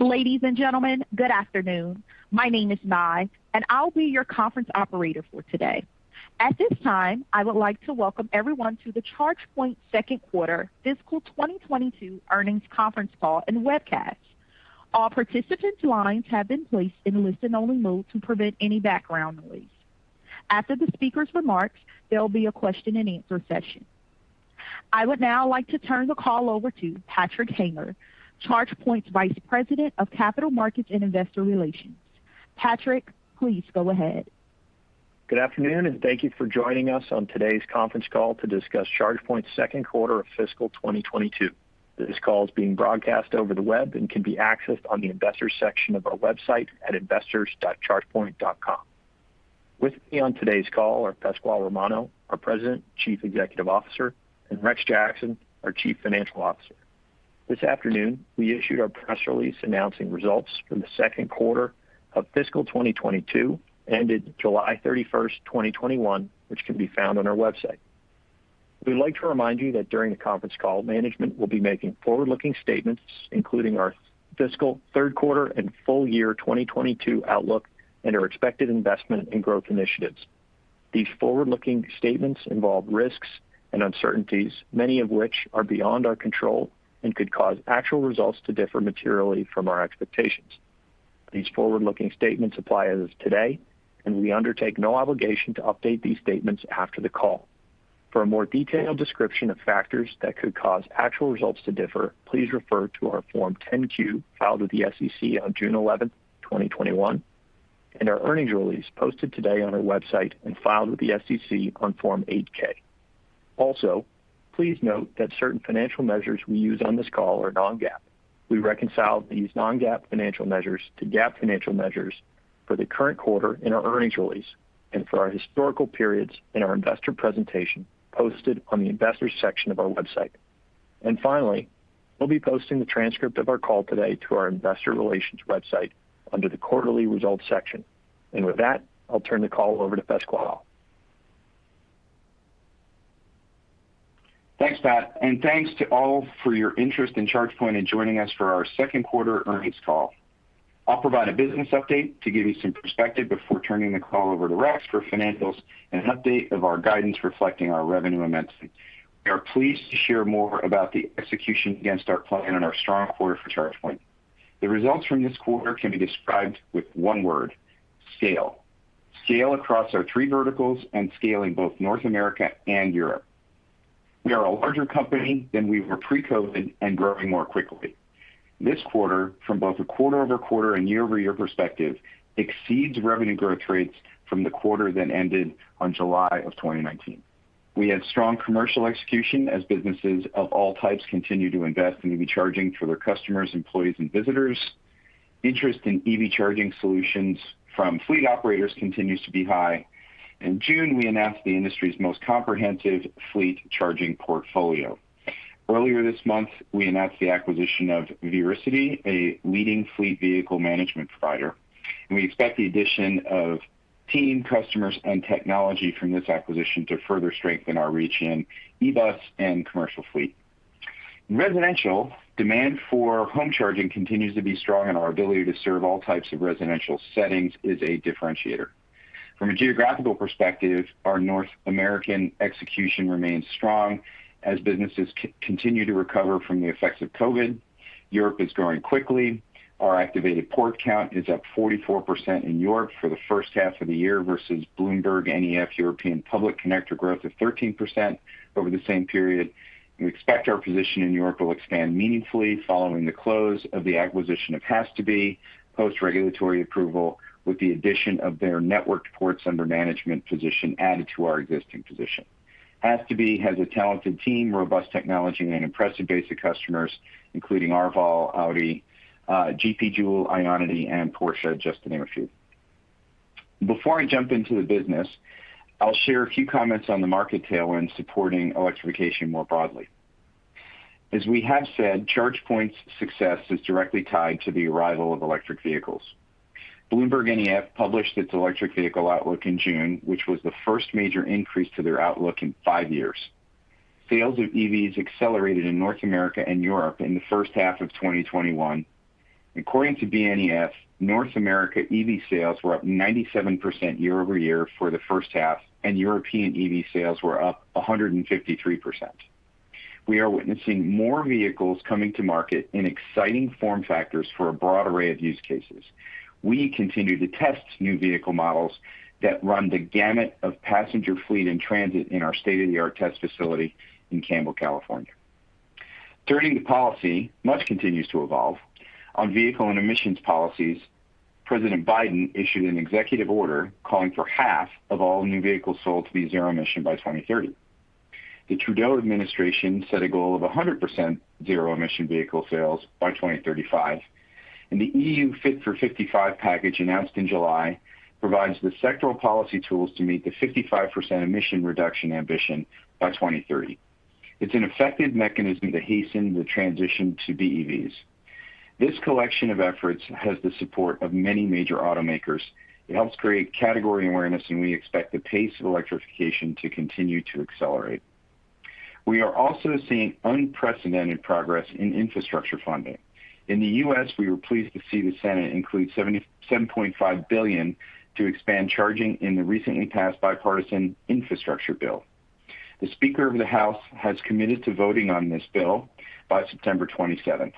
Ladies and gentlemen, good afternoon. My name is Mai. I'll be your conference operator for today. At this time, I would like to welcome everyone to the ChargePoint Second Quarter Fiscal 2022 Earnings Conference Call and Webcast. All participants' lines have been placed in listen-only mode to prevent any background noise. After the speakers' remarks, there'll be a question and answer session. I would now like to turn the call over to Patrick Hamer, ChargePoint's Vice President, Capital Markets and Investor Relations. Patrick, please go ahead. Good afternoon, and thank you for joining us on today's conference call to discuss ChargePoint's second quarter of fiscal 2022. This call is being broadcast over the web and can be accessed on the Investors section of our website at investors.chargepoint.com. With me on today's call are Pasquale Romano, our President, Chief Executive Officer, and Rex Jackson, our Chief Financial Officer. This afternoon, we issued our press release announcing results for the second quarter of fiscal 2022, ended July 31st, 2021, which can be found on our website. We'd like to remind you that during the conference call, management will be making forward-looking statements, including our fiscal third quarter and full year 2022 outlook and our expected investment and growth initiatives. These forward-looking statements involve risks and uncertainties, many of which are beyond our control and could cause actual results to differ materially from our expectations. These forward-looking statements apply as of today, and we undertake no obligation to update these statements after the call. For a more detailed description of factors that could cause actual results to differ, please refer to our Form 10-Q filed with the SEC on June 11th, 2021, and our earnings release posted today on our website and filed with the SEC on Form 8-K. Please note that certain financial measures we use on this call are non-GAAP. We reconcile these non-GAAP financial measures to GAAP financial measures for the current quarter in our earnings release and for our historical periods in our investor presentation posted on the Investors section of our website. Finally, we'll be posting the transcript of our call today to our investor relations website under the Quarterly Results section. With that, I'll turn the call over to Pasquale. Thanks, Pat, and thanks to all for your interest in ChargePoint and joining us for our second quarter earnings call. I'll provide a business update to give you some perspective before turning the call over to Rex for financials and an update of our guidance reflecting our revenue momentum. We are pleased to share more about the execution against our plan and our strong quarter for ChargePoint. The results from this quarter can be described with one word: scale. Scale across our three verticals, and scale in both North America and Europe. We are a larger company than we were pre-COVID and growing more quickly. This quarter, from both a quarter-over-quarter and year-over-year perspective, exceeds revenue growth rates from the quarter that ended on July of 2019. We had strong commercial execution as businesses of all types continue to invest in EV charging for their customers, employees, and visitors. Interest in EV charging solutions from fleet operators continues to be high. In June, we announced the industry's most comprehensive fleet charging portfolio. Earlier this month, we announced the acquisition of ViriCiti, a leading fleet vehicle management provider. We expect the addition of team, customers, and technology from this acquisition to further strengthen our reach in eBus and commercial fleet. In residential, demand for home charging continues to be strong. Our ability to serve all types of residential settings is a differentiator. From a geographical perspective, our North American execution remains strong as businesses continue to recover from the effects of COVID. Europe is growing quickly. Our activated port count is up 44% in Europe for the first half of the year versus BloombergNEF European public connector growth of 13% over the same period. We expect our position in Europe will expand meaningfully following the close of the acquisition of has·to·be, post-regulatory approval, with the addition of their networked ports under management position added to our existing position. has·to·be has a talented team, robust technology, and impressive base of customers, including Arval, Audi, GP JOULE, Ionity, and Porsche, just to name a few. Before I jump into the business, I'll share a few comments on the market tailwind supporting electrification more broadly. As we have said, ChargePoint's success is directly tied to the arrival of electric vehicles. BloombergNEF published its electric vehicle outlook in June, which was the first major increase to their outlook in five years. Sales of EVs accelerated in North America and Europe in the first half of 2021. According to BNEF, North America EV sales were up 97% year-over-year for the first half, and European EV sales were up 153%. We are witnessing more vehicles coming to market in exciting form factors for a broad array of use cases. We continue to test new vehicle models that run the gamut of passenger fleet and transit in our state-of-the-art test facility in Campbell, California. Turning to policy, much continues to evolve. On vehicle and emissions policies, President Biden issued an executive order calling for half of all new vehicles sold to be zero emission by 2030. The Trudeau administration set a goal of 100% zero emission vehicle sales by 2035, and the EU Fit for 55 package announced in July provides the sectoral policy tools to meet the 55% emission reduction ambition by 2030. It's an effective mechanism to hasten the transition to BEVs. This collection of efforts has the support of many major automakers. It helps create category awareness, and we expect the pace of electrification to continue to accelerate. We are also seeing unprecedented progress in infrastructure funding. In the U.S., we were pleased to see the Senate include $77.5 billion to expand charging in the recently passed Bipartisan Infrastructure Bill. The Speaker of the House has committed to voting on this bill by September 27th.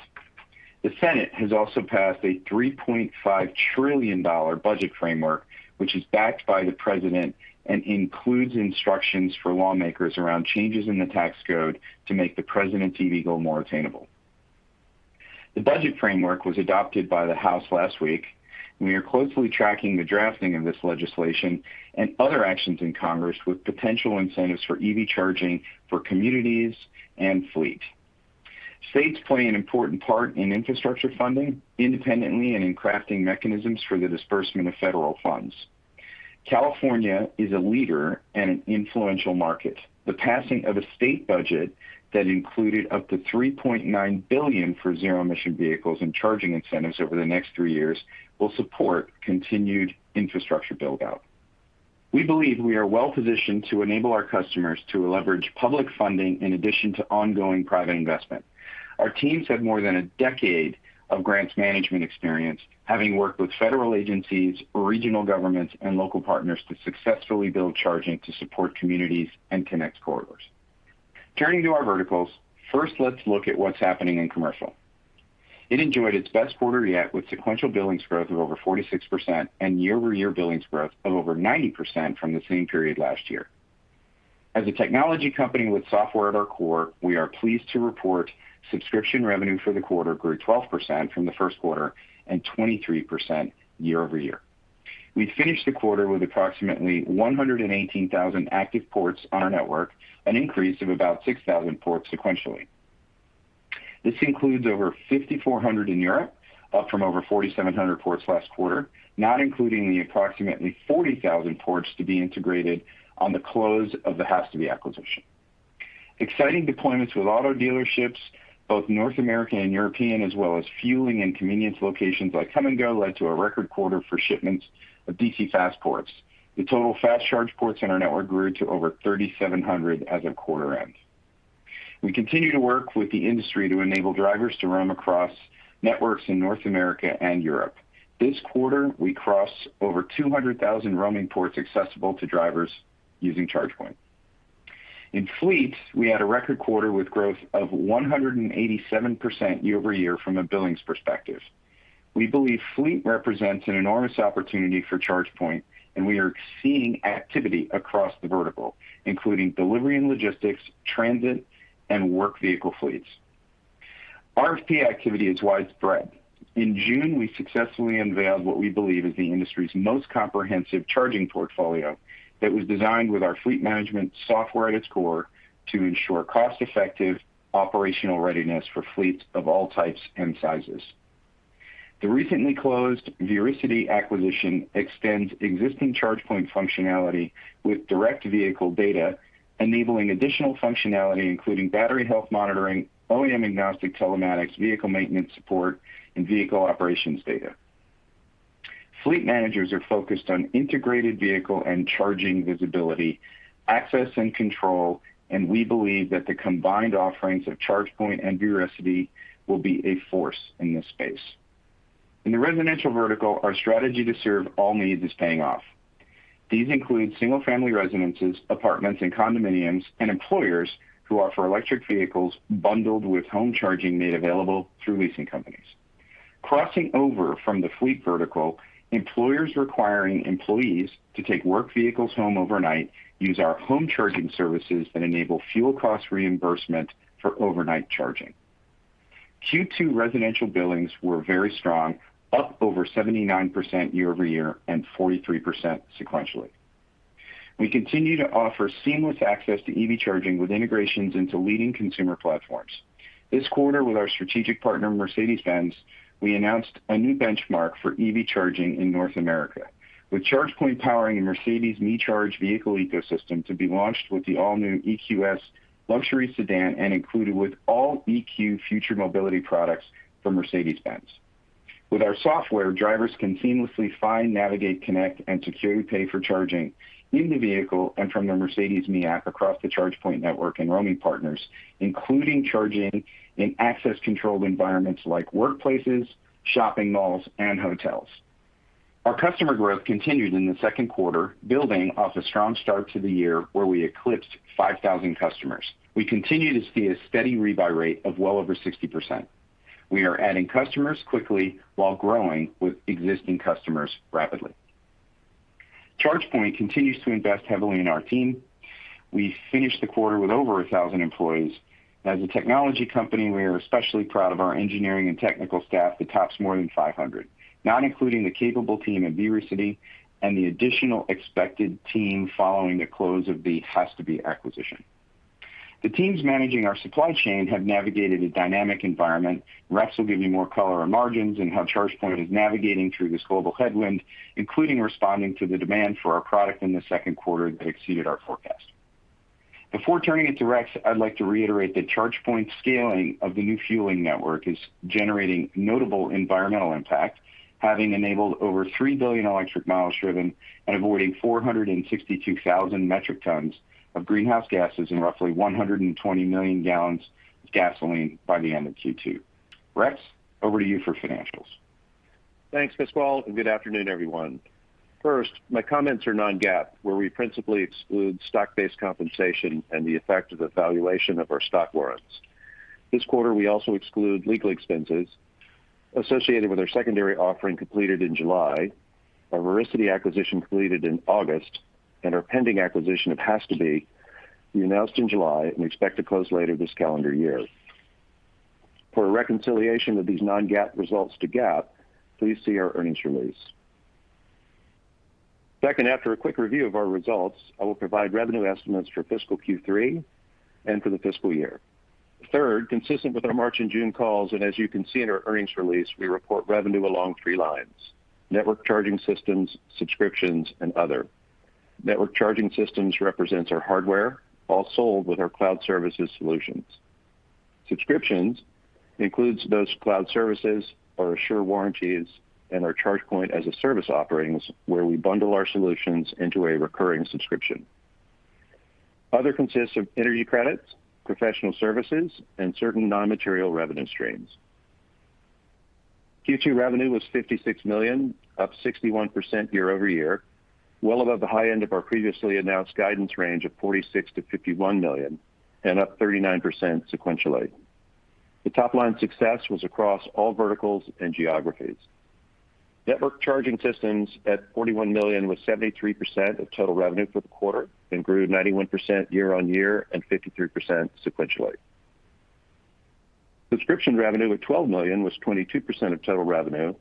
The Senate has also passed a $3.5 trillion budget framework, which is backed by the President, and includes instructions for lawmakers around changes in the tax code to make the President EV goal more attainable. The budget framework was adopted by the House last week. We are closely tracking the drafting of this legislation and other actions in Congress with potential incentives for EV charging for communities and fleet. States play an important part in infrastructure funding, independently and in crafting mechanisms for the disbursement of federal funds. California is a leader and an influential market. The passing of a state budget that included up to $3.9 billion for zero-emission vehicles and charging incentives over the next three years will support continued infrastructure build-out. We believe we are well-positioned to enable our customers to leverage public funding in addition to ongoing private investment. Our teams have more than a decade of grants management experience, having worked with federal agencies, regional governments, and local partners to successfully build charging to support communities and connect corridors. Turning to our verticals, first, let's look at what's happening in commercial. It enjoyed its best quarter yet with sequential billings growth of over 46% and year-over-year billings growth of over 90% from the same period last year. As a technology company with software at our core, we are pleased to report subscription revenue for the quarter grew 12% from the first quarter and 23% year-over-year. We finished the quarter with approximately 118,000 active ports on our network, an increase of about 6,000 ports sequentially. This includes over 5,400 in Europe, up from over 4,700 ports last quarter, not including the approximately 40,000 ports to be integrated on the close of the has·to·be acquisition. Exciting deployments with auto dealerships, both North American and European, as well as fueling and convenience locations like Kum & Go, led to a record quarter for shipments of DC fast ports. The total fast charge ports in our network grew to over 3,700 as of quarter end. We continue to work with the industry to enable drivers to roam across networks in North America and Europe. This quarter, we crossed over 200,000 roaming ports accessible to drivers using ChargePoint. In fleet, we had a record quarter with growth of 187% year-over-year from a billings perspective. We believe fleet represents an enormous opportunity for ChargePoint, and we are seeing activity across the vertical, including delivery and logistics, transit, and work vehicle fleets. RFP activity is widespread. In June, we successfully unveiled what we believe is the industry's most comprehensive charging portfolio that was designed with our fleet management software at its core to ensure cost-effective operational readiness for fleets of all types and sizes. The recently closed ViriCiti acquisition extends existing ChargePoint functionality with direct vehicle data, enabling additional functionality, including battery health monitoring, OEM-agnostic telematics, vehicle maintenance support, and vehicle operations data. Fleet managers are focused on integrated vehicle and charging visibility, access, and control. We believe that the combined offerings of ChargePoint and ViriCiti will be a force in this space. In the residential vertical, our strategy to serve all needs is paying off. These include single-family residences, apartments and condominiums, and employers who offer electric vehicles bundled with home charging made available through leasing companies. Crossing over from the fleet vertical, employers requiring employees to take work vehicles home overnight use our home charging services that enable fuel cost reimbursement for overnight charging. Q2 residential billings were very strong, up over 79% year-over-year and 43% sequentially. We continue to offer seamless access to EV charging with integrations into leading consumer platforms. This quarter, with our strategic partner, Mercedes-Benz, we announced a new benchmark for EV charging in North America, with ChargePoint powering a Mercedes me Charge vehicle ecosystem to be launched with the all-new EQS luxury sedan and included with all EQ future mobility products from Mercedes-Benz. With our software, drivers can seamlessly find, navigate, connect, and securely pay for charging in the vehicle and from their Mercedes me app across the ChargePoint network and roaming partners, including charging in access-controlled environments like workplaces, shopping malls, and hotels. Our customer growth continued in the second quarter, building off a strong start to the year, where we eclipsed 5,000 customers. We continue to see a steady re-buy rate of well over 60%. We are adding customers quickly while growing with existing customers rapidly. ChargePoint continues to invest heavily in our team. We finished the quarter with over 1,000 employees. As a technology company, we are especially proud of our engineering and technical staff that tops more than 500, not including the capable team at ViriCiti and the additional expected team following the close of the has·to·be acquisition. The teams managing our supply chain have navigated a dynamic environment. Rex will give you more color on margins and how ChargePoint is navigating through this global headwind, including responding to the demand for our product in the second quarter that exceeded our forecast. Before turning it to Rex, I'd like to reiterate that ChargePoint's scaling of the new fueling network is generating notable environmental impact, having enabled over three billion electric miles driven and avoiding 462,000 metric tons of greenhouse gases and roughly 120 million gallons of gasoline by the end of Q2. Rex, over to you for financials. Thanks, Pasquale. Good afternoon, everyone. First, my comments are non-GAAP, where we principally exclude stock-based compensation and the effect of the valuation of our stock warrants. This quarter, we also exclude legal expenses associated with our secondary offering completed in July, our ViriCiti acquisition completed in August, and our pending acquisition of has·to·be we announced in July and expect to close later this calendar year. For a reconciliation of these non-GAAP results to GAAP, please see our earnings release. Second, after a quick review of our results, I will provide revenue estimates for fiscal Q3 and for the fiscal year. Third, consistent with our March and June calls, as you can see in our earnings release, we report revenue along three lines: Networked Charging Systems, subscriptions, and other. Networked Charging Systems represents our hardware, all sold with our cloud services solutions. Subscriptions includes those cloud services, our Assure warranties, and our ChargePoint as a Service offerings where we bundle our solutions into a recurring subscription. Other consists of energy credits, professional services, and certain non-material revenue streams. Q2 revenue was $56 million, up 61% year-over-year, well above the high end of our previously announced guidance range of $46 million-$51 million, and up 39% sequentially. The top-line success was across all verticals and geographies. Networked Charging Systems at $41 million was 73% of total revenue for the quarter and grew 91% year-on-year and 53% sequentially. Subscription revenue at $12 million was 22% of total revenue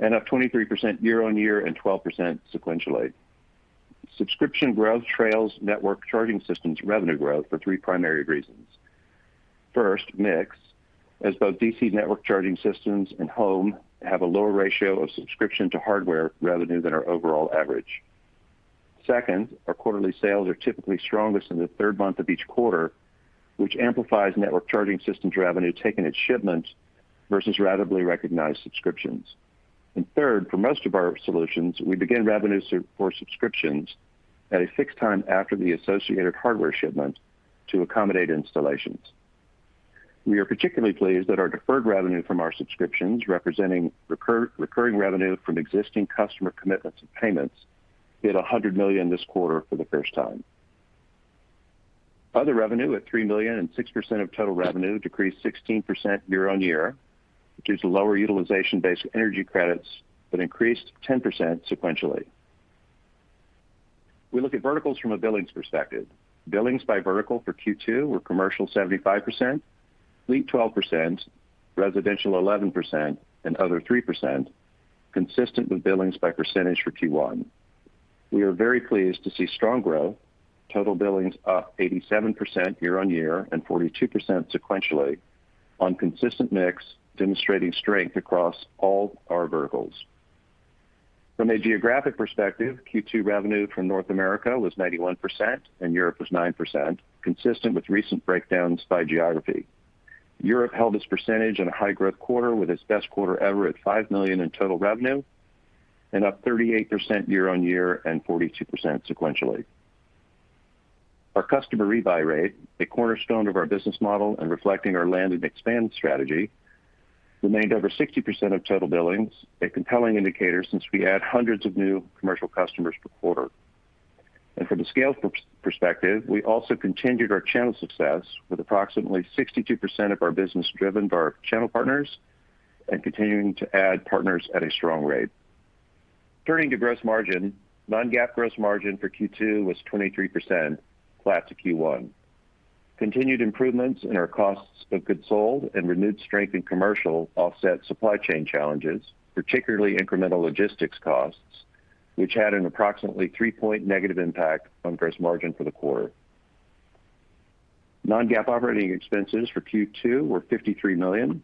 and up 23% year-on-year and 12% sequentially. Subscription growth trails Networked Charging Systems revenue growth for three primary reasons. First, mix, as both DC Networked Charging Systems and home have a lower ratio of subscription to hardware revenue than our overall average. Second, our quarterly sales are typically strongest in the third month of each quarter, which amplifies Networked Charging Systems revenue taken at shipment versus ratably recognized subscriptions. Third, for most of our solutions, we begin revenue for subscriptions at a fixed time after the associated hardware shipment to accommodate installations. We are particularly pleased that our deferred revenue from our subscriptions, representing recurring revenue from existing customer commitments and payments, hit $100 million this quarter for the first time. Other revenue at $3 million and 6% of total revenue decreased 16% year-on-year, which is lower utilization-based energy credits that increased 10% sequentially. We look at verticals from a billings perspective. Billings by vertical for Q2 were commercial 75%, fleet 12%, residential 11%, and other 3%, consistent with billings by percentage for Q1. We are very pleased to see strong growth, total billings up 87% year-on-year and 42% sequentially on consistent mix, demonstrating strength across all our verticals. From a geographic perspective, Q2 revenue from North America was 91% and Europe was 9%, consistent with recent breakdowns by geography. Europe held its percentage in a high-growth quarter with its best quarter ever at $5 million in total revenue and up 38% year-on-year and 42% sequentially. Our customer rebuy rate, a cornerstone of our business model and reflecting our land and expand strategy, remained over 60% of total billings, a compelling indicator since we add hundreds of new commercial customers per quarter. From a scale perspective, we also continued our channel success with approximately 62% of our business driven by our channel partners and continuing to add partners at a strong rate. Turning to gross margin, non-GAAP gross margin for Q2 was 23%, flat to Q1. Continued improvements in our costs of goods sold and renewed strength in commercial offset supply chain challenges, particularly incremental logistics costs, which had an approximately three-point negative impact on gross margin for the quarter. non-GAAP operating expenses for Q2 were $53 million,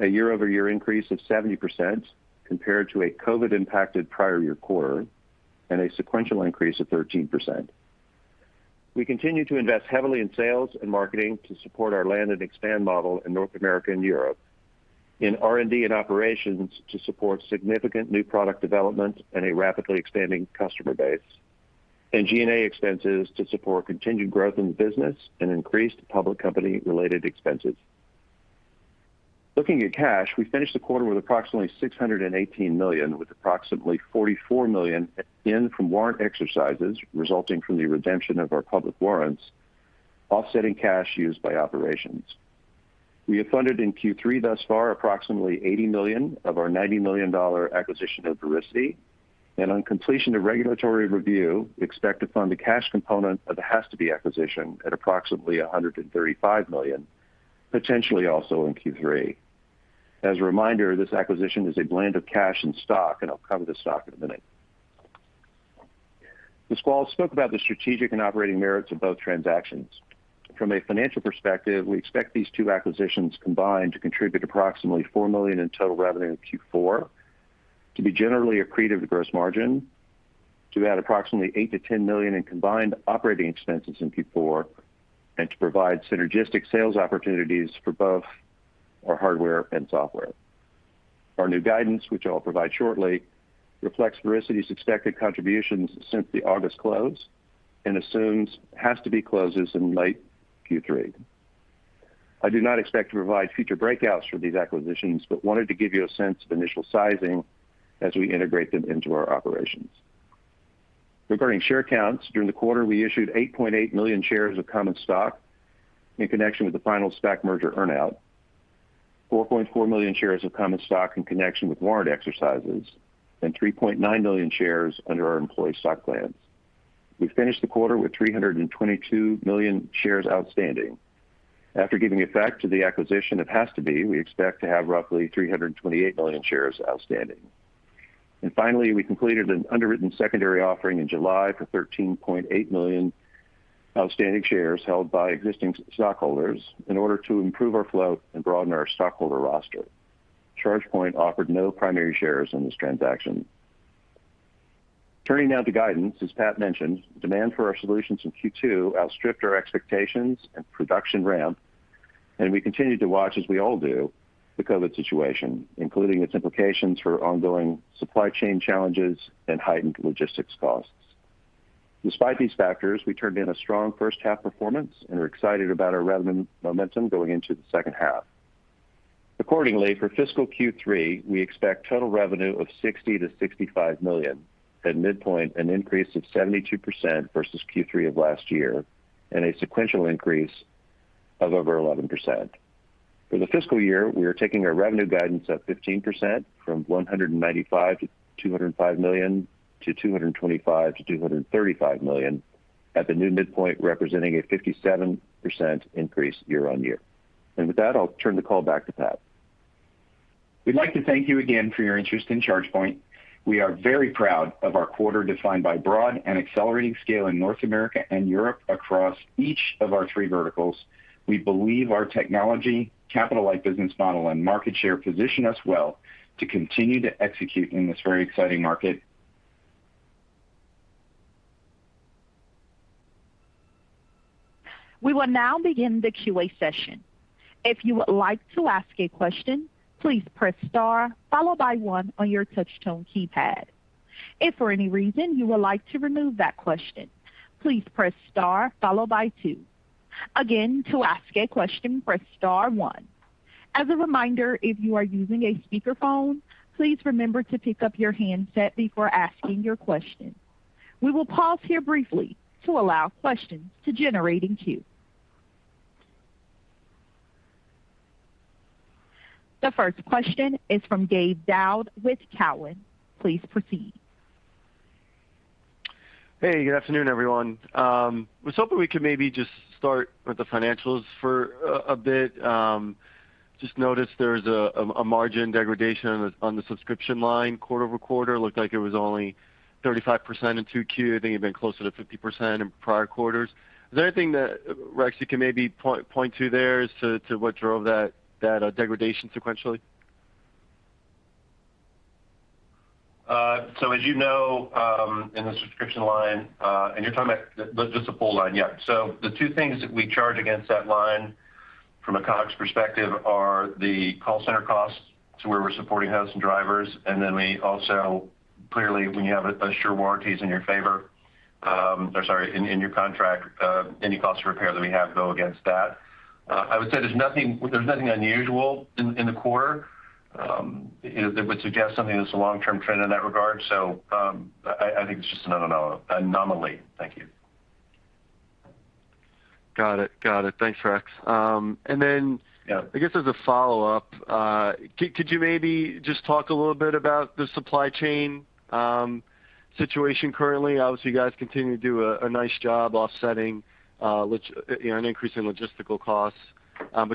a year-over-year increase of 70% compared to a COVID-impacted prior year quarter, and a sequential increase of 13%. We continue to invest heavily in sales and marketing to support our land and expand model in North America and Europe, in R&D and operations to support significant new product development and a rapidly expanding customer base, G&A expenses to support continued growth in the business and increased public company-related expenses. Looking at cash, we finished the quarter with approximately $618 million, with approximately $44 million in from warrant exercises resulting from the redemption of our public warrants, offsetting cash used by operations. We have funded in Q3 thus far approximately $80 million of our $90 million acquisition of ViriCiti, and on completion of regulatory review, we expect to fund the cash component of the has·to·be acquisition at approximately $135 million, potentially also in Q3. As a reminder, this acquisition is a blend of cash and stock, I'll cover the stock in a minute. Pasquale spoke about the strategic and operating merits of both transactions. From a financial perspective, we expect these two acquisitions combined to contribute approximately $4 million in total revenue in Q4, to be generally accretive to gross margin, to add approximately $8 million-$10 million in combined operating expenses in Q4, and to provide synergistic sales opportunities for both our hardware and software. Our new guidance, which I'll provide shortly, reflects ViriCiti's expected contributions since the August close and assumes has·to·be closes in late Q3. I do not expect to provide future breakouts for these acquisitions, but wanted to give you a sense of initial sizing as we integrate them into our operations. Regarding share counts, during the quarter, we issued 8.8 million shares of common stock in connection with the final SPAC merger earn-out, 4.4 million shares of common stock in connection with warrant exercises, and 3.9 million shares under our employee stock plans. We finished the quarter with 322 million shares outstanding. After giving effect to the acquisition of has·to·be, we expect to have roughly 328 million shares outstanding. Finally, we completed an underwritten secondary offering in July for 13.8 million outstanding shares held by existing stockholders in order to improve our flow and broaden our stockholder roster. ChargePoint offered no primary shares in this transaction. Turning now to guidance. As Pat mentioned, demand for our solutions in Q2 outstripped our expectations and production ramp. We continue to watch, as we all do, the COVID situation, including its implications for ongoing supply chain challenges and heightened logistics costs. Despite these factors, we turned in a strong first half performance and are excited about our revenue momentum going into the second half. For fiscal Q3, we expect total revenue of $60 million-$65 million, at midpoint, an increase of 72% versus Q3 of last year. A sequential increase of over 11%. For the fiscal year, we are taking our revenue guidance up 15% from $195 million-$205 million, to $225 million-$235 million, at the new midpoint, representing a 57% increase year-over-year. With that, I'll turn the call back to Pat. We'd like to thank you again for your interest in ChargePoint. We are very proud of our quarter defined by broad and accelerating scale in North America and Europe across each of our three verticals. We believe our technology, capital-light business model, and market share position us well to continue to execute in this very exciting market. We will now begin the QA session. If you would like to ask a question, please press star followed by one on your telephone keypad. If for any reason you would like to remove that question, please press star followed by two. Again, to ask a question, press star, one. As a reminder, if you are using a speakerphone, please remember to pick up your handset before remember to pick up your handset before asking your question. We will pause here briefly to allow questions to generate the queue. The first question is from Gabe Daoud with Cowen. Please proceed. Hey, good afternoon, everyone. I was hoping we could maybe just start with the financials for a bit. Just noticed there's a margin degradation on the subscription line quarter-over-quarter. Looked like it was only 35% in 2Q. I think it had been closer to 50% in prior quarters. Is there anything that, Rex, you can maybe point to there as to what drove that degradation sequentially? As you know, in the subscription line, and you're talking about just the full line, yeah. The two things that we charge against that line from a COGS perspective are the call center costs to where we're supporting hosts and drivers, and then we also, clearly, when you have Assure warranties in your favor, or, sorry, in your contract, any cost to repair that we have go against that. I would say there's nothing unusual in the quarter that would suggest something that's a long-term trend in that regard. I think it's just an anomaly. Thank you. Got it. Thanks, Rex. Yeah I guess as a follow-up, could you maybe just talk a little bit about the supply chain situation currently? Obviously, you guys continue to do a nice job offsetting an increase in logistical costs.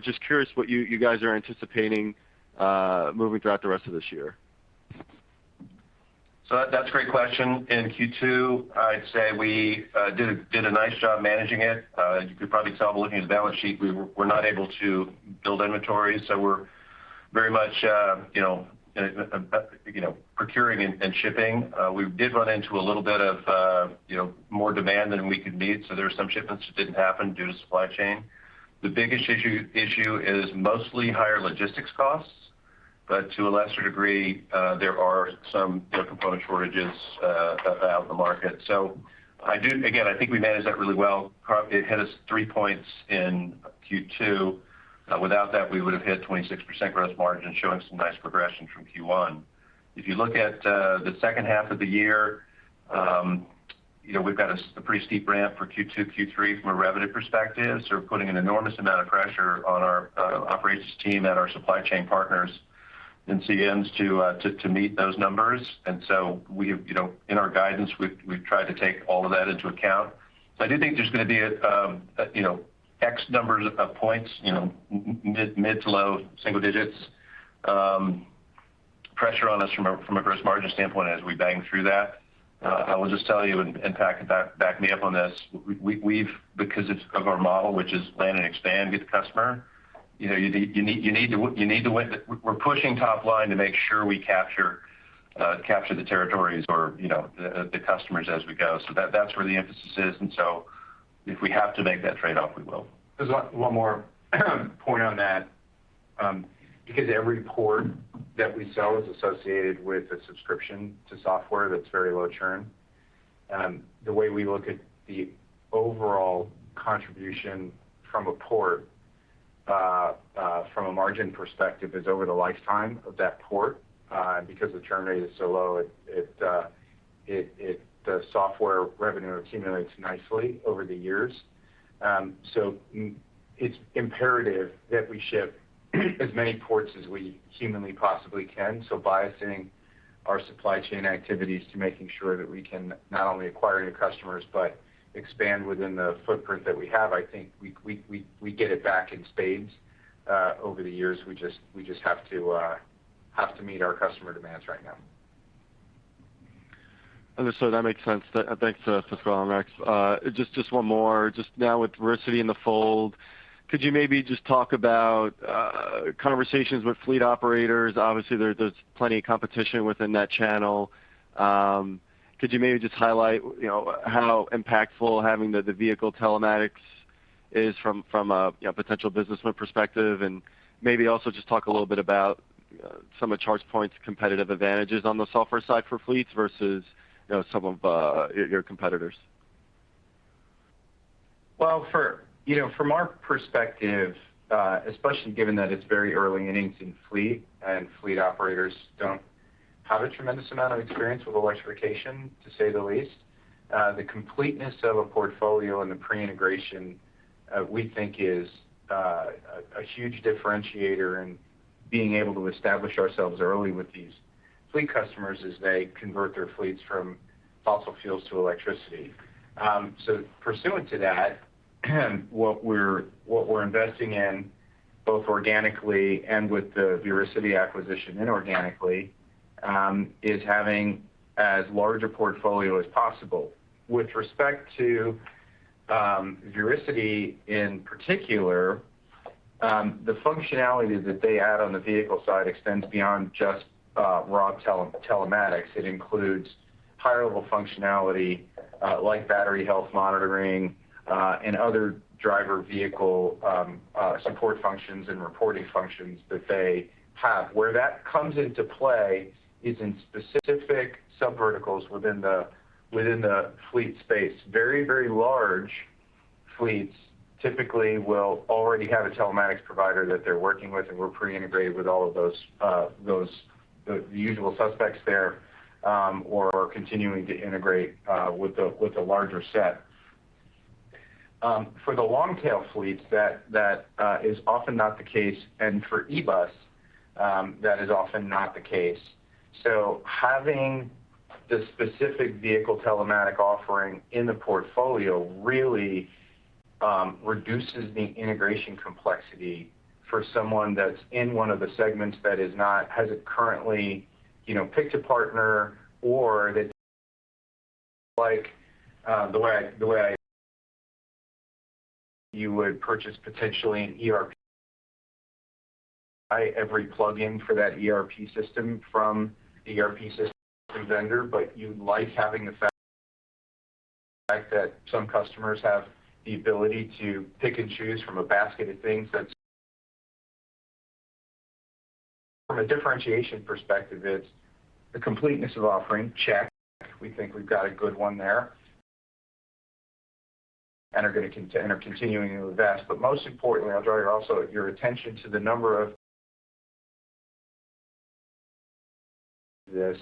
Just curious what you guys are anticipating moving throughout the rest of this year. That's a great question. In Q2, I'd say we did a nice job managing it. As you could probably tell by looking at the balance sheet, we're not able to build inventory, so we're very much procuring and shipping. We did run into a little bit of more demand than we could meet, so there's some shipments that didn't happen due to supply chain. The biggest issue is mostly higher logistics costs, but to a lesser degree, there are some component shortages out in the market. Again, I think we managed that really well. It hit us three points in Q2. Without that, we would've hit 26% gross margin, showing some nice progression from Q1. If you look at the second half of the year, we've got a pretty steep ramp for Q2, Q3 from a revenue perspective. We're putting an enormous amount of pressure on our operations team and our supply chain partners and CMs to meet those numbers. In our guidance, we've tried to take all of that into account. I do think there's going to be X numbers of points, mid to low single digits, pressure on us from a gross margin standpoint as we bang through that. I will just tell you, and Pat can back me up on this, because of our model, which is land and expand, get the customer, we're pushing top line to make sure we capture Capture the territories or the customers as we go. That's where the emphasis is, and so if we have to make that trade-off, we will. There's one more point on that. Because every port that we sell is associated with a subscription to software that's very low churn, the way we look at the overall contribution from a port, from a margin perspective, is over the lifetime of that port. Because the churn rate is so low, the software revenue accumulates nicely over the years. It's imperative that we ship as many ports as we humanly possibly can. Biasing our supply chain activities to making sure that we can not only acquire new customers, but expand within the footprint that we have, I think we get it back in spades over the years. We just have to meet our customer demands right now. Understood. That makes sense. Thanks, Pasquale and Rex. Just one more. Now with ViriCiti in the fold, could you maybe just talk about conversations with fleet operators? Obviously, there's plenty of competition within that channel. Could you maybe just highlight how impactful having the vehicle telematics is from a potential businessman perspective? Maybe also just talk a little bit about some of ChargePoint's competitive advantages on the software side for fleets versus some of your competitors. Well, from our perspective, especially given that it's very early innings in fleet, and fleet operators don't have a tremendous amount of experience with electrification, to say the least, the completeness of a portfolio and the pre-integration, we think is a huge differentiator in being able to establish ourselves early with these fleet customers as they convert their fleets from fossil fuels to electricity. Pursuant to that, what we're investing in, both organically and with the ViriCiti acquisition inorganically, is having as large a portfolio as possible. With respect to ViriCiti in particular, the functionalities that they add on the vehicle side extends beyond just raw telematics. It includes higher-level functionality, like battery health monitoring, and other driver vehicle support functions and reporting functions that they have. Where that comes into play is in specific sub-verticals within the fleet space. Very large fleets typically will already have a telematics provider that they're working with, and we're pre-integrated with all of the usual suspects there, or continuing to integrate with a larger set. For the long-tail fleets, that is often not the case, and for eBus, that is often not the case. Having the specific vehicle telematic offering in the portfolio really reduces the integration complexity for someone that's in one of the segments that hasn't currently picked a partner, or that like the way you would purchase potentially an ERP every plugin for that ERP system from the ERP system vendor, but you like having the fact that some customers have the ability to pick and choose from a basket of things. From a differentiation perspective, it's the completeness of offering, check. We think we've got a good one there and are continuing to invest. Most importantly, I'll draw your attention to the number of this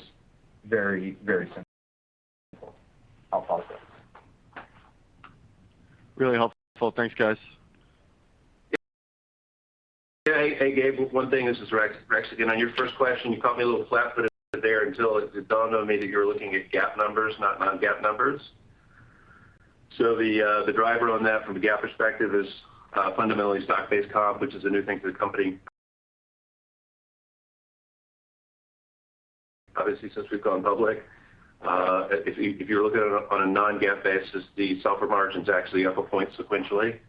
very simple. I'll pause there. Really helpful. Thanks, guys. Yeah. Hey, Gabe. one thing, this is Rex again. On your first question, you caught me a little flat-footed there until it dawned on me that you were looking at GAAP numbers, not non-GAAP numbers. The driver on that from a GAAP perspective is fundamentally stock-based comp, which is one new thing for the company. Obviously, since we've gone public. If you're looking at it on a non-GAAP basis, the software margin's actually up one point sequentially.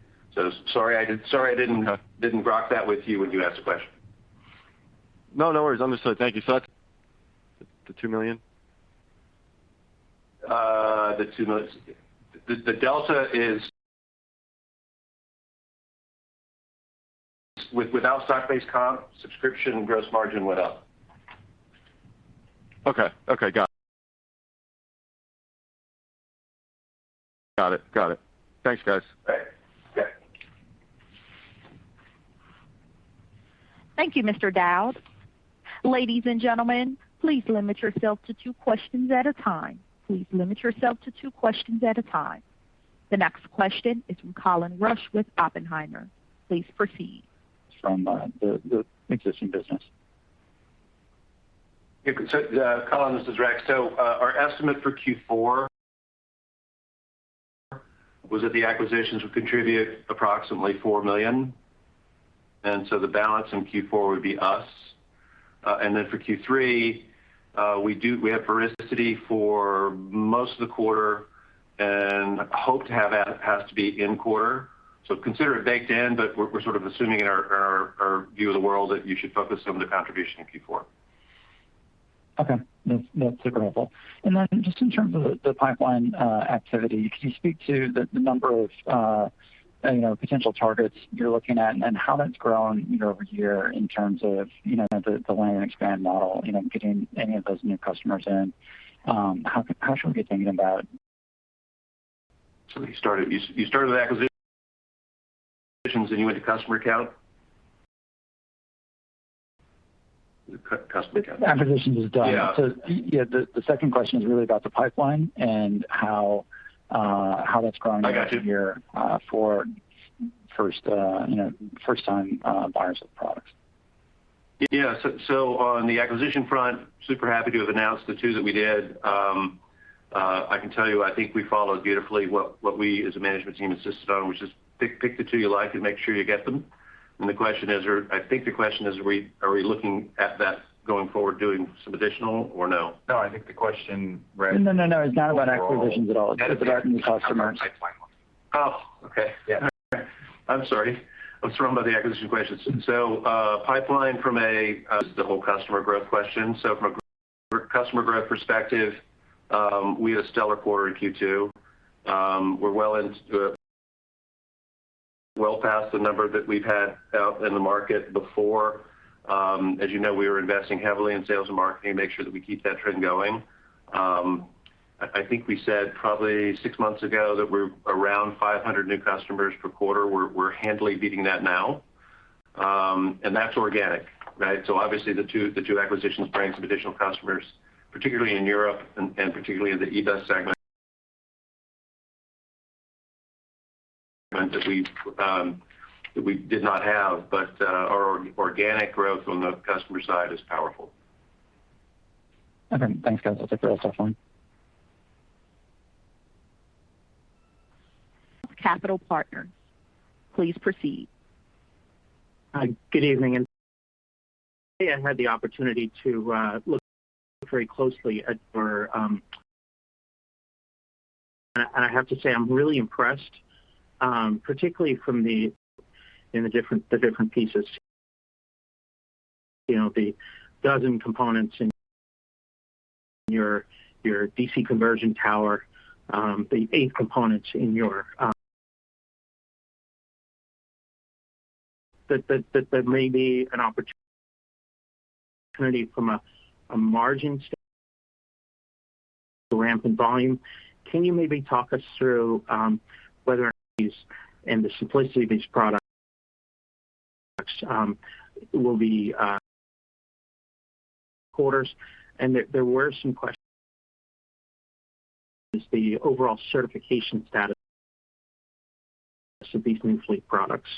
Sorry I didn't. Okay Grok that with you when you asked the question. No, no worries. Understood. Thank you. The $2 million? The $2 million. Without stock-based comp, subscription gross margin went up. Okay. Got it. Got it. Thanks, guys. Okay. Thank you, Mr. Daoud. Ladies and gentlemen, please limit yourself to two questions at a time. The next question is from Colin Rusch with Oppenheimer. Please proceed. From the existing business. Colin, this is Rex. Our estimate for Q4 was that the acquisitions would contribute approximately $4 million, the balance in Q4 would be us. For Q3, we have ViriCiti for most of the quarter, hope to have has·to·be in quarter. Consider it baked in, but we're sort of assuming in our view of the world that you should focus on the contribution in Q4. Okay. That's agreeable. Just in terms of the pipeline activity, can you speak to the number of potential targets you're looking at and how that's grown year-over-year in terms of the land and expand model, getting any of those new customers in? You started with acquisitions, then you went to customer count? The customer count. Acquisitions is done. Yeah. Yeah, the second question is really about the pipeline and how that's grown. I got you. Year-over-year for first-time buyers of products. Yeah. On the acquisition front, super happy to have announced the two that we did. I can tell you, I think we followed beautifully what we as a management team insisted on, which is pick the two you like and make sure you get them. I think the question is, are we looking at that going forward, doing some additional or no? No, I think the question, Rex. No, it's not about acquisitions at all. It's about new customers. Oh, okay. Yeah. I'm sorry. I was thrown by the acquisition questions. Pipeline from a customer growth question. From a customer growth perspective, we had a stellar quarter in Q2. We're well into it, well past the number that we've had out in the market before. As you know, we are investing heavily in sales and marketing to make sure that we keep that trend going. I think we said probably six months ago that we're around 500 new customers per quarter. We're handily beating that now. That's organic, right? Obviously the two acquisitions bring some additional customers, particularly in Europe and particularly in the EVaaS segment that we did not have. Our organic growth on the customer side is powerful. Okay, thanks, guys. That's a real tough one. Capital Partners, please proceed. Good evening. Today, I had the opportunity to look very closely at your and I have to say, I'm really impressed, particularly from the different pieces, the 12 components in your DC conversion tower, the eight components in your that there may be an opportunity from a margin stand ramp in volume. Can you maybe talk us through whether or these and the simplicity of these products will be quarters? There were some questions is the overall certification status of these new fleet products.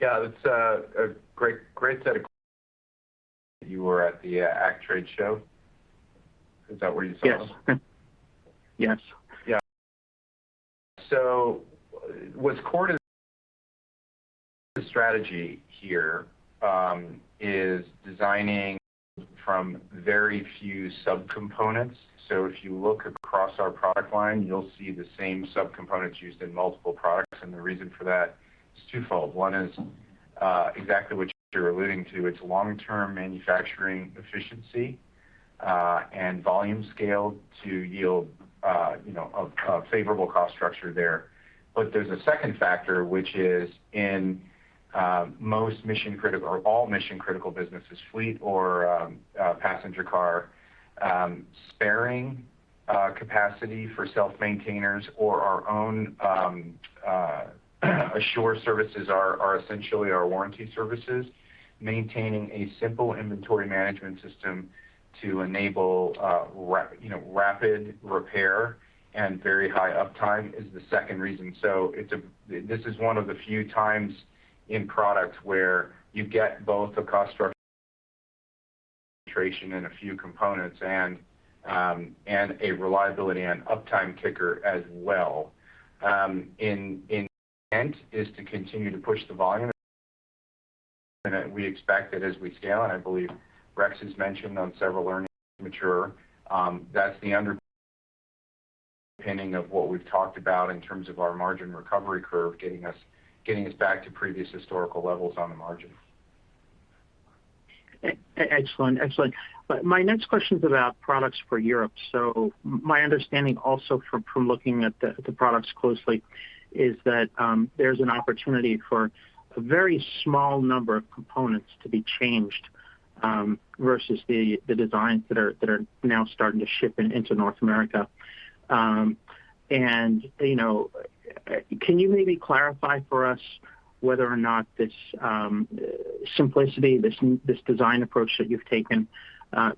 You were at the ACT Expo. Is that where you saw them? Yes. What's core to the strategy here is designing from very few sub-components. If you look across our product line, you'll see the same sub-components used in multiple products. The reason for that is twofold. One is exactly what you're alluding to. It's long-term manufacturing efficiency, and volume scale to yield a favorable cost structure there. There's a second factor, which is in all mission-critical businesses, fleet or passenger car, sparing capacity for self-maintainers or our own ChargePoint Assure services are essentially our warranty services. Maintaining a simple inventory management system to enable rapid repair and very high uptime is the second reason. This is one of the few times in products where you get both a cost structure and a few components and a reliability and uptime kicker as well. Our intent is to continue to push the volume, and we expect that as we scale, and I believe Rex has mentioned on several earnings calls, that's the underpinning of what we've talked about in terms of our margin recovery curve, getting us back to previous historical levels on the margin. Excellent. My next question's about products for Europe. My understanding also from looking at the products closely is that there's an opportunity for a very small number of components to be changed, versus the designs that are now starting to ship into North America. Can you maybe clarify for us whether or not this simplicity, this design approach that you've taken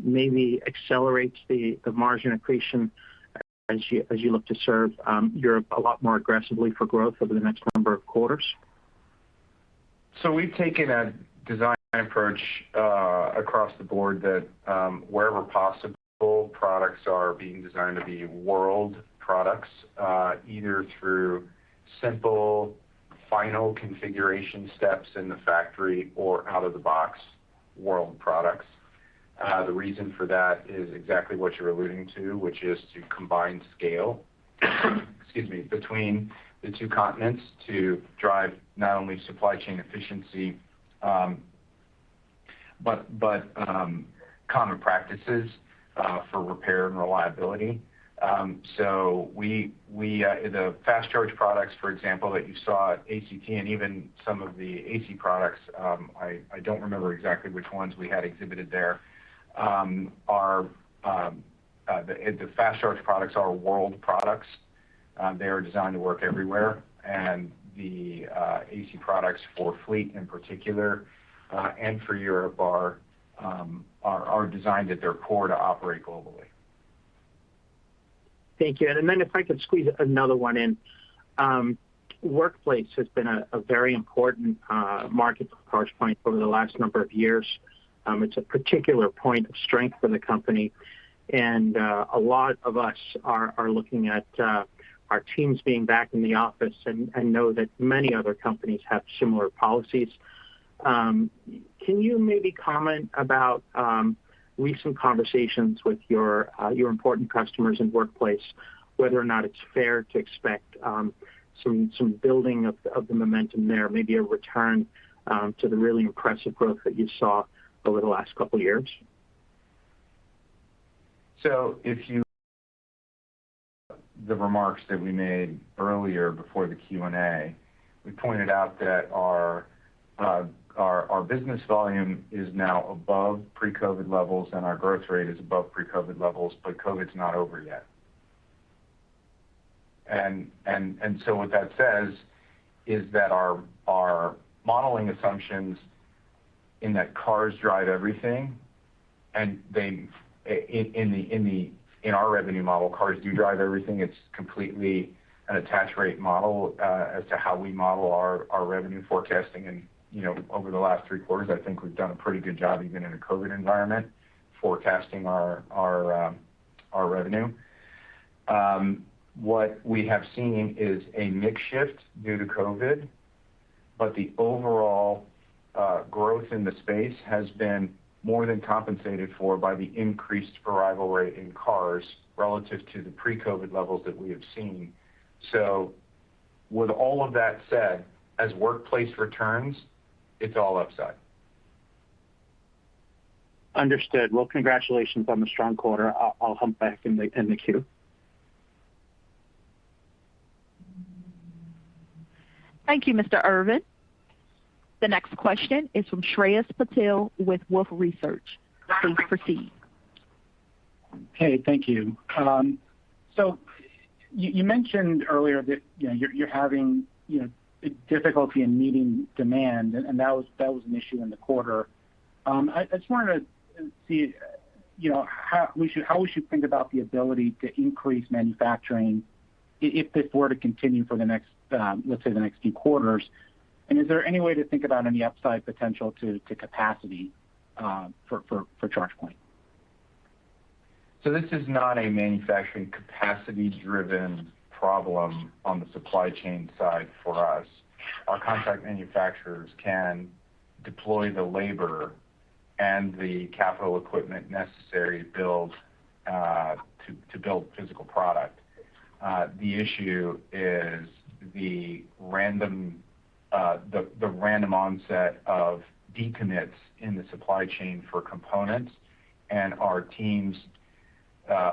maybe accelerates the margin accretion as you look to serve Europe a lot more aggressively for growth over the next number of quarters? We've taken a design approach across the board that wherever possible products are being designed to be world products, either through simple final configuration steps in the factory or out-of-the-box world products. The reason for that is exactly what you're alluding to, which is to combine scale, excuse me, between the two continents to drive not only supply chain efficiency, but common practices for repair and reliability. The fast charge products, for example, that you saw at ACT, and even some of the AC products, I don't remember exactly which ones we had exhibited there. The fast charge products are world products. They are designed to work everywhere. The AC products for fleet in particular, and for Europe, are designed at their core to operate globally. Thank you. If I could squeeze another one in. Workplace has been a very important market for ChargePoint over the last number of years. It's a particular point of strength for the company, and a lot of us are looking at our teams being back in the office, and know that many other companies have similar policies. Can you maybe comment about recent conversations with your important customers in workplace, whether or not it's fair to expect some building of the momentum there, maybe a return to the really impressive growth that you saw over the last couple of years? The remarks that we made earlier before the Q&A, we pointed out that our business volume is now above pre-COVID levels, and our growth rate is above pre-COVID levels, but COVID's not over yet. What that says is that our modeling assumptions in that cars drive everything, and in our revenue model, cars do drive everything. It's completely an attach rate model as to how we model our revenue forecasting. Over the last three quarters, I think we've done a pretty good job, even in a COVID environment, forecasting our revenue. What we have seen is a mix shift due to COVID, but the overall growth in the space has been more than compensated for by the increased arrival rate in cars relative to the pre-COVID levels that we have seen. With all of that said, as workplace returns, it's all upside. Understood. Well, congratulations on the strong quarter. I'll jump back in the queue. Thank you, Mr. Irwin. The next question is from Shreyas Patil with Wolfe Research. Please proceed. Thank you. You mentioned earlier that you're having difficulty in meeting demand, and that was an issue in the quarter. I just wanted to see how we should think about the ability to increase manufacturing if this were to continue for the next, let's say, the next few quarters. Is there any way to think about any upside potential to capacity for ChargePoint? This is not a manufacturing capacity-driven problem on the supply chain side for us. Our Contract Manufacturers can deploy the labor and the capital equipment necessary to build physical product. The issue is the random onset of decommits in the supply chain for components, and our teams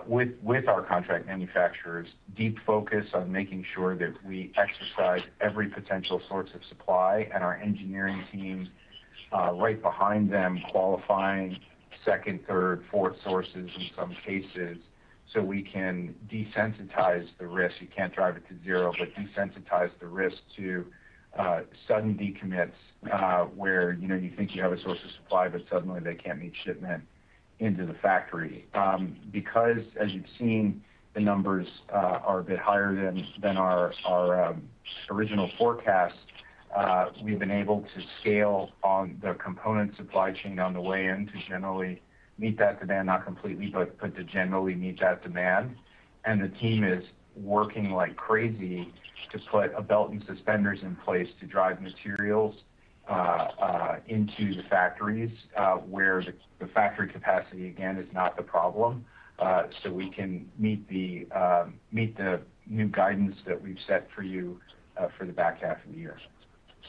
with our Contract Manufacturers deep focus on making sure that we exercise every potential source of supply and our engineering team right behind them qualifying second, third, fourth sources in some cases, so we can desensitize the risk. You can't drive it to zero, but desensitize the risk to sudden decommits, where you think you have a source of supply, but suddenly they can't meet shipment into the factory. As you've seen, the numbers are a bit higher than our original forecast, we've been able to scale on the component supply chain on the way in to generally meet that demand, not completely, but to generally meet that demand. The team is working like crazy to put a belt and suspenders in place to drive materials into the factories, where the factory capacity, again, is not the problem, so we can meet the new guidance that we've set for you for the back half of the year.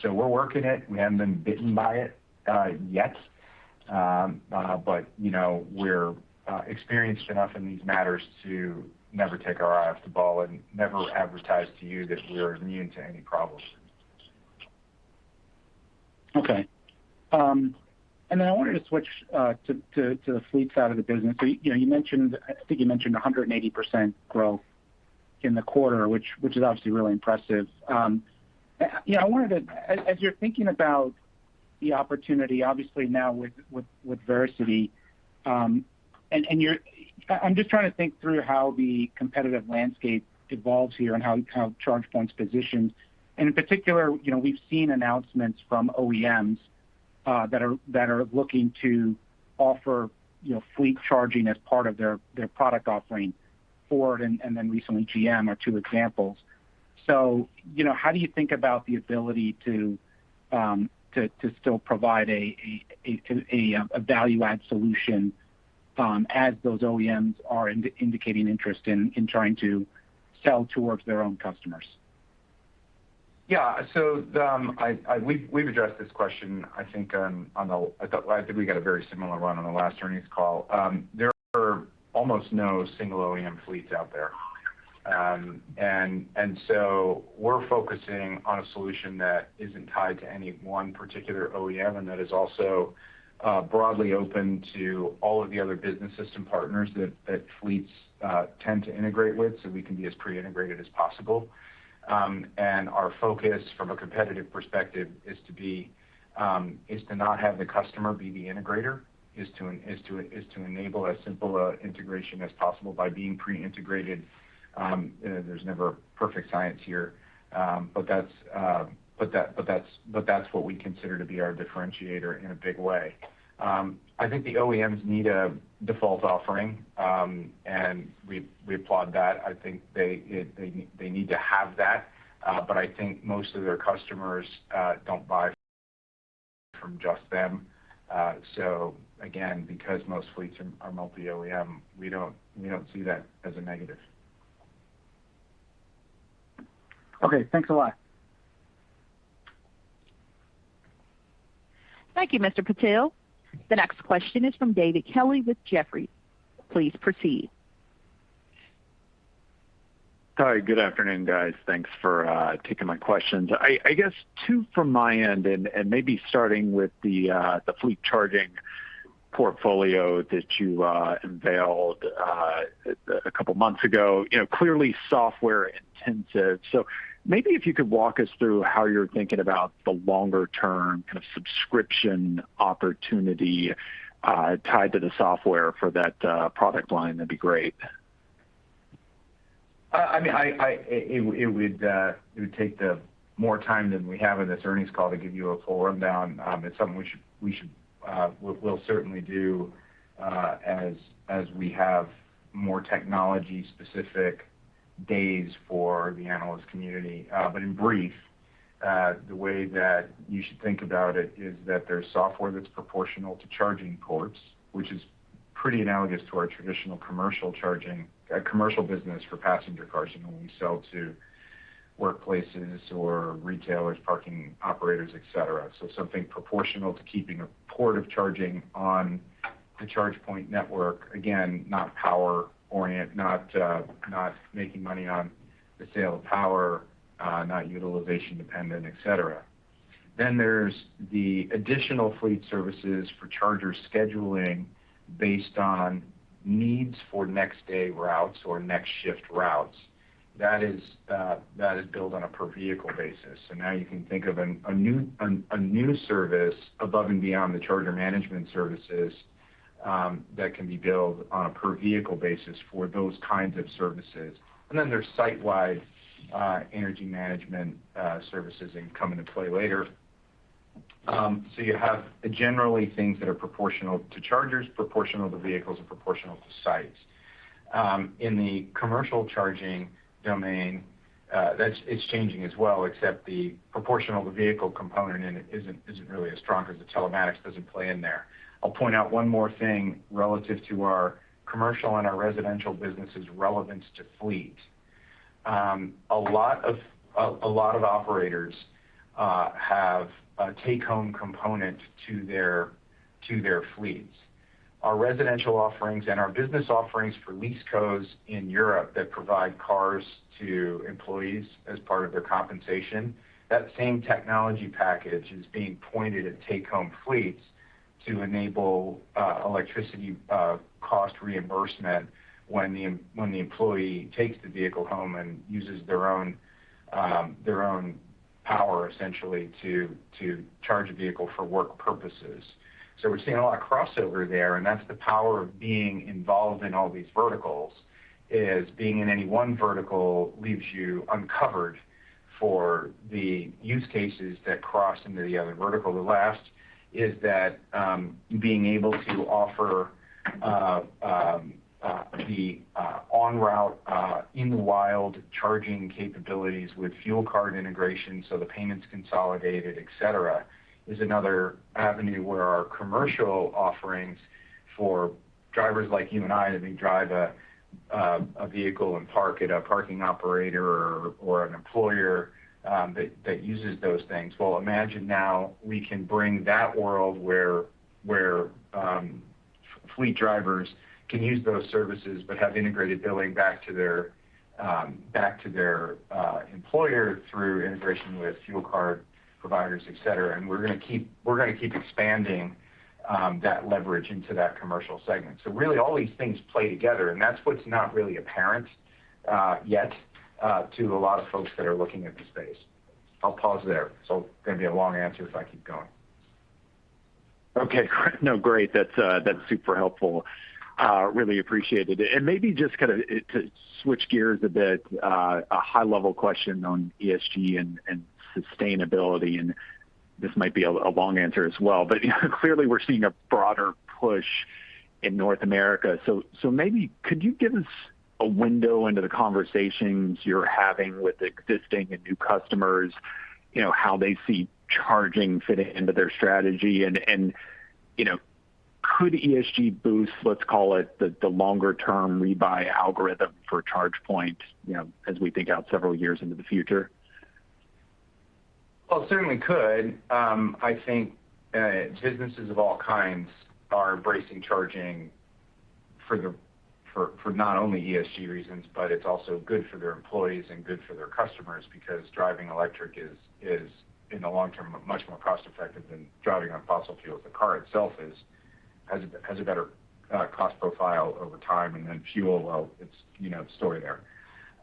We're working it. We haven't been bitten by it yet. We're experienced enough in these matters to never take our eye off the ball and never advertise to you that we're immune to any problems. Okay. Then I wanted to switch to the fleets side of the business. I think you mentioned 180% growth in the quarter, which is obviously really impressive. As you're thinking about the opportunity, obviously now with ViriCiti, I'm just trying to think through how the competitive landscape evolves here and how ChargePoint's positioned. In particular, we've seen announcements from OEMs that are looking to offer fleet charging as part of their product offering. Ford and then recently GM are two examples. How do you think about the ability to still provide a value-add solution as those OEMs are indicating interest in trying to sell towards their own customers? Yeah. We've addressed this question, I think we got a very similar one on the last earnings call. There are almost no single OEM fleets out there. We're focusing on a solution that isn't tied to any one particular OEM, and that is also broadly open to all of the other business system partners that fleets tend to integrate with, so we can be as pre-integrated as possible. Our focus from a competitive perspective is to not have the customer be the integrator, is to enable as simple integration as possible by being pre-integrated. There's never a perfect science here. That's what we consider to be our differentiator in a big way. I think the OEMs need a default offering, and we applaud that. I think they need to have that. I think most of their customers don't buy from just them. Again, because most fleets are multi-OEM, we don't see that as a negative. Okay. Thanks a lot. Thank you, Mr. Patil. The next question is from David Kelley with Jefferies. Please proceed. Hi. Good afternoon, guys. Thanks for taking my questions. I guess two from my end, and maybe starting with the fleet charging portfolio that you unveiled a couple of months ago. Clearly software-intensive, so maybe if you could walk us through how you're thinking about the longer-term kind of subscription opportunity tied to the software for that product line, that'd be great. It would take more time than we have in this earnings call to give you a full rundown. It's something we'll certainly do as we have more technology-specific days for the analyst community. In brief, the way that you should think about it is that there's software that's proportional to charging ports, which is pretty analogous to our traditional commercial business for passenger cars, when we sell to workplaces or retailers, parking operators, et cetera. Something proportional to keeping a port of charging on the ChargePoint network. Again, not power-orient, not making money on the sale of power, not utilization-dependent, et cetera. There's the additional fleet services for charger scheduling based on needs for next-day routes or next-shift routes. That is billed on a per vehicle basis. Now you can think of a new service above and beyond the charger management services, that can be billed on a per vehicle basis for those kinds of services. There's site-wide energy management services come into play later. You have generally things that are proportional to chargers, proportional to vehicles, and proportional to sites. In the commercial charging domain, it's changing as well, except the proportional to vehicle component in it isn't really as strong because the telematics doesn't play in there. I'll point out one more thing relative to our commercial and our residential business is relevant to fleet. A lot of operators have a take-home component to their fleets. Our residential offerings and our business offerings for leasecos in Europe that provide cars to employees as part of their compensation, that same technology package is being pointed at take-home fleets to enable electricity cost reimbursement when the employee takes the vehicle home and uses their own power, essentially, to charge a vehicle for work purposes. We're seeing a lot of crossover there, and that's the power of being involved in all these verticals, is being in any one vertical leaves you uncovered for the use cases that cross into the other vertical. The last is that being able to offer the en route, in the wild charging capabilities with fuel card integration, so the payment's consolidated, et cetera, is another avenue where our commercial offerings for drivers like you and I, that may drive a vehicle and park at a parking operator or an employer that uses those things. Well, imagine now we can bring that world where fleet drivers can use those services but have integrated billing back to their employer through integration with fuel card providers, et cetera. We're going to keep expanding that leverage into that commercial segment. Really, all these things play together, and that's what's not really apparent yet to a lot of folks that are looking at the space. I'll pause there. Going to be a long answer if I keep going. Okay, no, great. That's super helpful. Really appreciated it. Maybe just to switch gears a bit, a high-level question on ESG and sustainability. This might be a long answer as well, but clearly, we're seeing a broader push in North America. Maybe could you give us a window into the conversations you're having with existing and new customers, how they see charging fitting into their strategy, and could ESG boost, let's call it the longer-term rebuy algorithm for ChargePoint, as we think out several years into the future? Well, it certainly could. I think businesses of all kinds are embracing charging for not only ESG reasons, but it's also good for their employees and good for their customers because driving electric is, in the long term, much more cost-effective than driving on fossil fuels. The car itself has a better cost profile over time and then fuel, well, it's the story there.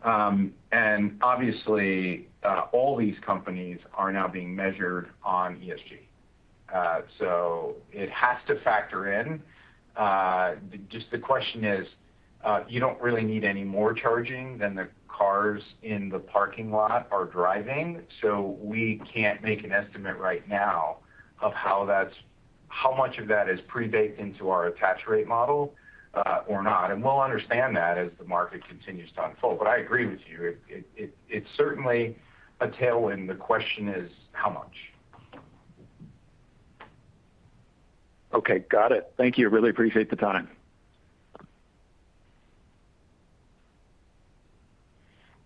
Obviously, all these companies are now being measured on ESG. It has to factor in. Just the question is, you don't really need any more charging than the cars in the parking lot are driving. We can't make an estimate right now of how much of that is prebaked into our attach rate model or not. We'll understand that as the market continues to unfold. I agree with you. It's certainly a tailwind. The question is how much. Okay. Got it. Thank you. Really appreciate the time.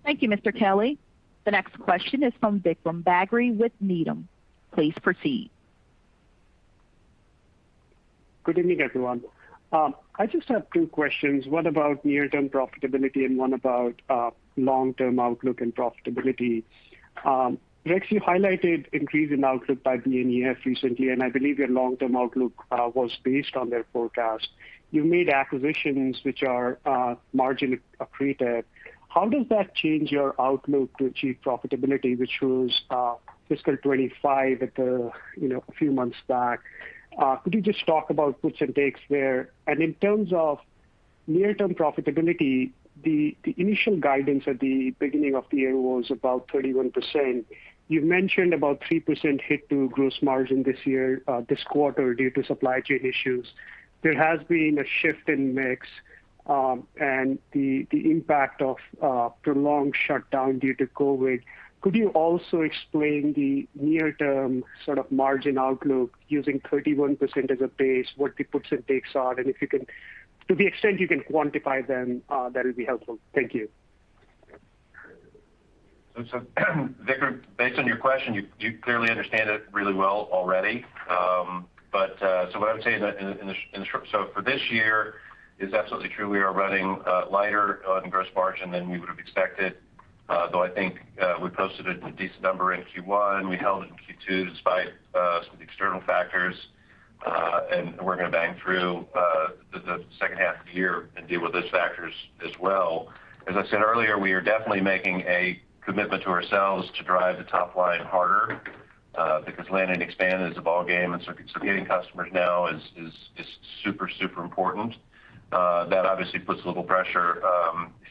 Thank you, Mr. Kelley. The next question is from Vikram Bagri with Needham. Please proceed. Good evening, everyone. I just have two questions. One about near-term profitability and one about long-term outlook and profitability. Rex, you highlighted increase in outlook by BNEF recently, and I believe your long-term outlook was based on their forecast. You've made acquisitions which are margin accretive. How does that change your outlook to achieve profitability, which was fiscal 2025 a few months back? Could you just talk about puts and takes there? In terms of near-term profitability, the initial guidance at the beginning of the year was about 31%. You've mentioned about 3% hit to gross margin this quarter due to supply chain issues. There has been a shift in mix, and the impact of prolonged shutdown due to COVID. Could you also explain the near-term margin outlook using 31% as a base, what the puts and takes are? To the extent you can quantify them that would be helpful. Thank you. Vikram, based on your question, you clearly understand it really well already. What I would say is that for this year, it's absolutely true we are running lighter on gross margin than we would have expected. Though I think we posted a decent number in Q1. We held in Q2 despite some external factors. We're going to bang through the second half of the year and deal with those factors as well. As I said earlier, we are definitely making a commitment to ourselves to drive the top line harder, because land and expand is the ballgame, and so getting customers now is super important. That obviously puts a little pressure,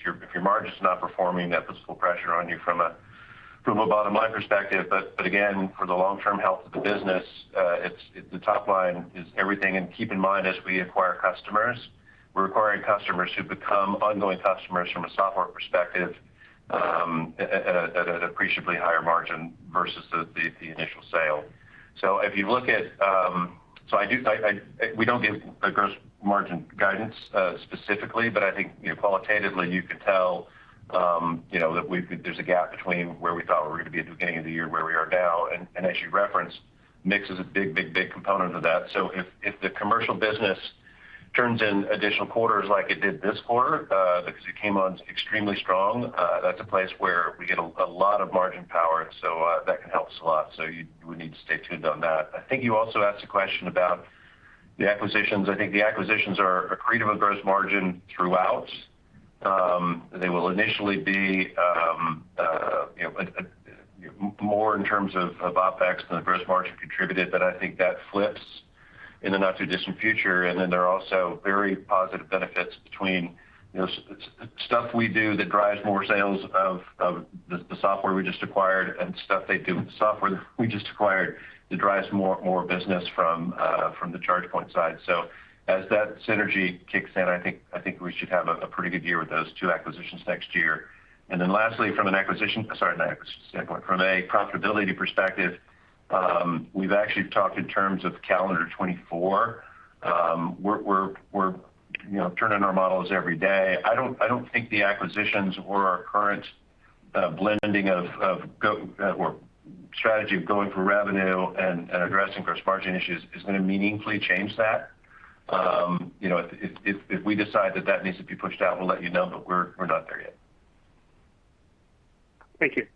if your margin's not performing, that puts a little pressure on you from a bottom-line perspective. Again, for the long-term health of the business, the top line is everything. Keep in mind, as we acquire customers, we're acquiring customers who become ongoing customers from a software perspective, at an appreciably higher margin versus the initial sale. We don't give the gross margin guidance specifically, but I think qualitatively you could tell that there's a gap between where we thought we were going to be at the beginning of the year and where we are now. As you referenced, mix is a big component of that. If the commercial business turns in additional quarters like it did this quarter, because it came on extremely strong, that's a place where we get a lot of margin power. That can help us a lot. You would need to stay tuned on that. I think you also asked a question about the acquisitions. I think the acquisitions are accretive of gross margin throughout. They will initially be more in terms of OpEx than the gross margin contributed, but I think that flips in the not-too-distant future. There are also very positive benefits between stuff we do that drives more sales of the software we just acquired and stuff they do with the software we just acquired that drives more business from the ChargePoint side. As that synergy kicks in, I think we should have a pretty good year with those two acquisitions next year. Lastly, from a profitability perspective, we've actually talked in terms of calendar 2024. We're turning our models every day. I don't think the acquisitions or our current blending of strategy of going for revenue and addressing gross margin issues is going to meaningfully change that. If we decide that that needs to be pushed out, we'll let you know, but we're not there yet. Thank you.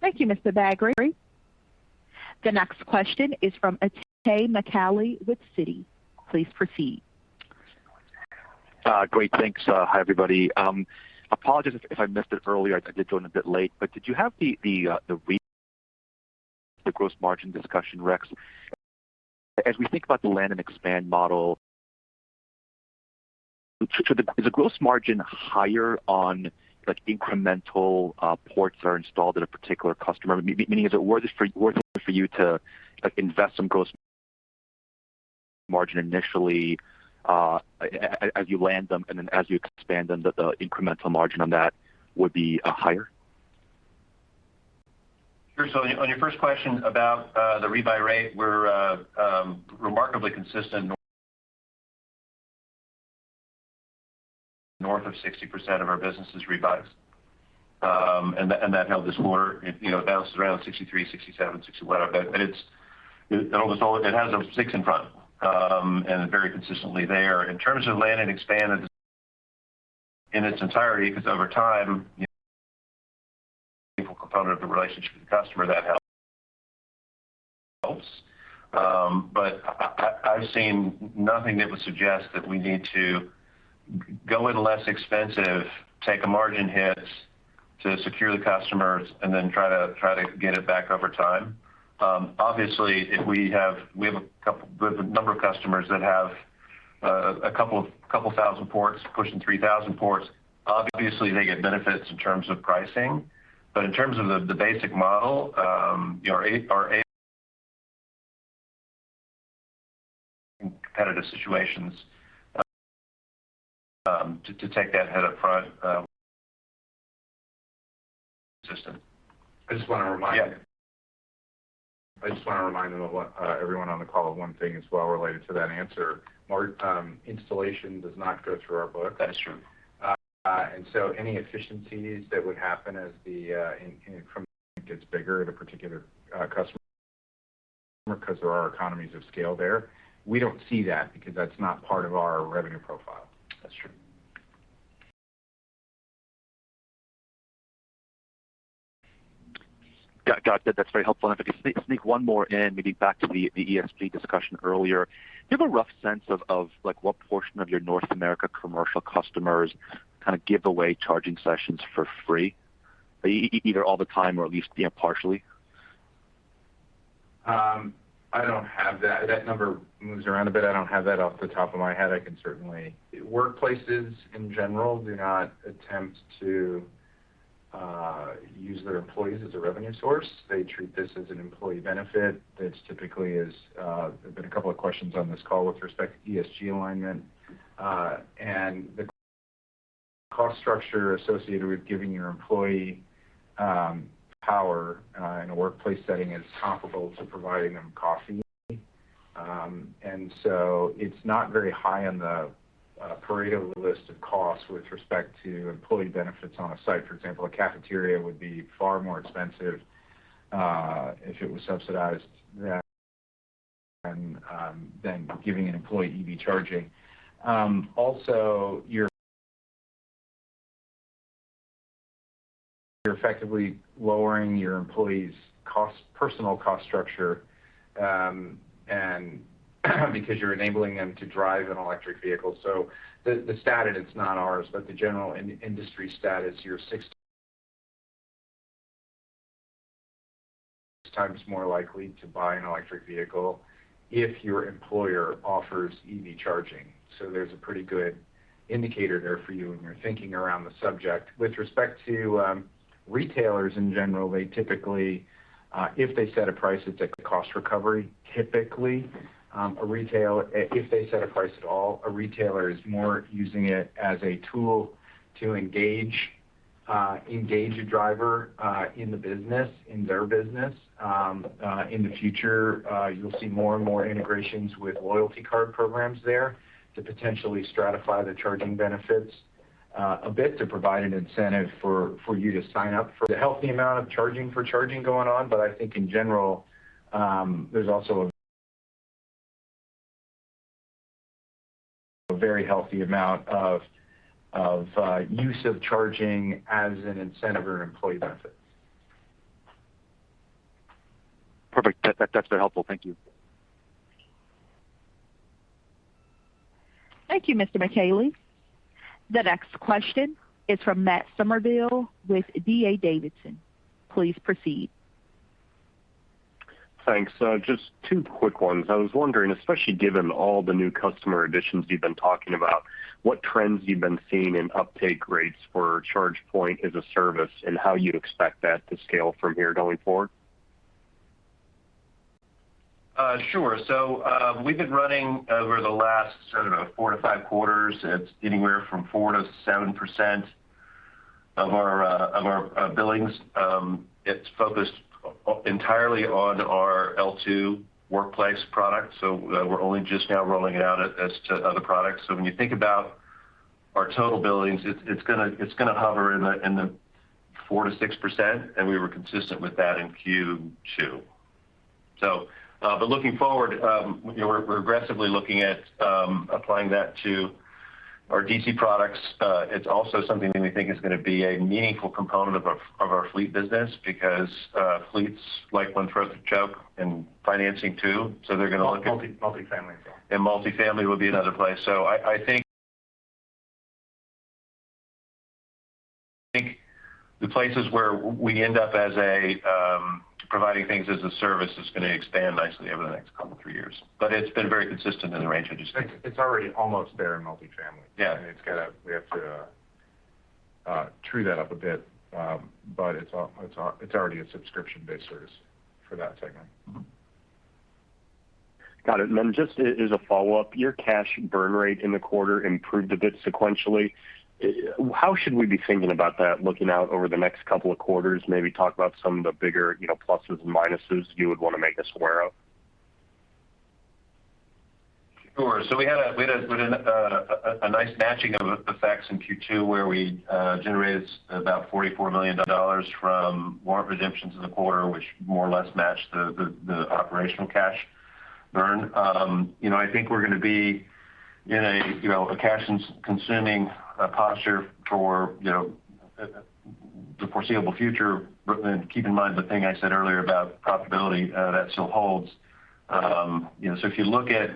Thank you, Mr. Bagri. The next question is from Itay Michaeli with Citi. Please proceed. Great. Thanks. Hi, everybody. Apologies if I missed it earlier, I did join a bit late. Did you have the gross margin discussion, Rex? As we think about the land and expand model. Is the gross margin higher on incremental ports that are installed at a particular customer? Meaning, is it worth it for you to invest some gross margin initially, as you land them, and then as you expand them, that the incremental margin on that would be higher? Sure. On your first question about the rebuy rate, we're remarkably consistent, north of 60% of our business is rebuys. That held this quarter. It bounces around 63, 67, 61. It has a six in front, and very consistently there. In terms of land and expand in its entirety, because over time, component of the relationship with the customer that helps. I've seen nothing that would suggest that we need to go in less expensive, take a margin hit to secure the customers, and then try to get it back over time. Obviously, we have a number of customers that have a couple thousand ports, pushing 3,000 ports. Obviously, they get benefits in terms of pricing. In terms of the basic model, our competitive situations to take that head up front system. I just want to remind- Yeah Everyone on the call of one thing as well related to that answer. Installation does not go through our books. That is true. Any efficiencies that would happen as the increment gets bigger at a particular customer, because there are economies of scale there, we don't see that because that's not part of our revenue profile. That's true. Got it. That's very helpful. If I could sneak one more in, maybe back to the ESG discussion earlier, do you have a rough sense of what portion of your North America commercial customers give away charging sessions for free, either all the time or at least partially? I don't have that. That number moves around a bit. I don't have that off the top of my head. Workplaces, in general, do not attempt to use their employees as a revenue source. They treat this as an employee benefit. There's been a couple of questions on this call with respect to ESG alignment. The cost structure associated with giving your employee power in a workplace setting is comparable to providing them coffee. It's not very high on the Pareto list of costs with respect to employee benefits on a site. For example, a cafeteria would be far more expensive if it was subsidized than giving an employee EV charging. Also, you're effectively lowering your employee's personal cost structure, because you're enabling them to drive an electric vehicle. The stat, and it's not ours, but the general industry stat is you're six times more likely to buy an electric vehicle if your employer offers EV charging. There's a pretty good indicator there for you when you're thinking around the subject. With respect to retailers in general, they typically, if they set a price, it's at cost recovery, typically. If they set a price at all, a retailer is more using it as a tool to engage a driver in their business. In the future, you'll see more and more integrations with loyalty card programs there to potentially stratify the charging benefits a bit to provide an incentive for you to sign up. There's a healthy amount of charging for charging going on, but I think in general, there's also a very healthy amount of use of charging as an incentive or an employee benefit. Perfect. That's been helpful. Thank you. Thank you, Mr. Itay. The next question is from Matt Summerville with D.A. Davidson. Please proceed. Thanks. Just two quick ones. I was wondering, especially given all the new customer additions you've been talking about, what trends you've been seeing in uptake rates for ChargePoint as a Service and how you'd expect that to scale from here going forward? Sure. We've been running over the last, I don't know, four to five quarters at anywhere from 4%-7% of our billings. It's focused entirely on our L2 workplace product, we're only just now rolling it out as to other products. When you think about our total billings, it's going to hover in the 4%-6%, and we were consistent with that in Q2. Looking forward, we're aggressively looking at applying that to our DC products. It's also something that we think is going to be a meaningful component of our fleet business because fleets, like when Frank spoke, and financing too. Multi-Family as well. Multi-Family will be another place. I think the places where we end up as providing things as a service is going to expand nicely over the next couple of three years. It's been very consistent. I think it's already almost there in multi-family. Yeah. We have to true that up a bit, but it's already a subscription-based service for that segment. Got it. Just as a follow-up, your cash burn rate in the quarter improved a bit sequentially. How should we be thinking about that, looking out over the next couple of quarters? Maybe talk about some of the bigger pluses and minuses you would want to make us aware of. Sure. We had a nice matching of effects in Q2 where we generated about $44 million from warrant redemptions in the quarter, which more or less matched the operational cash burn. I think we're going to be in a cash-consuming posture for the foreseeable future. Keep in mind the thing I said earlier about profitability, that still holds. If you look at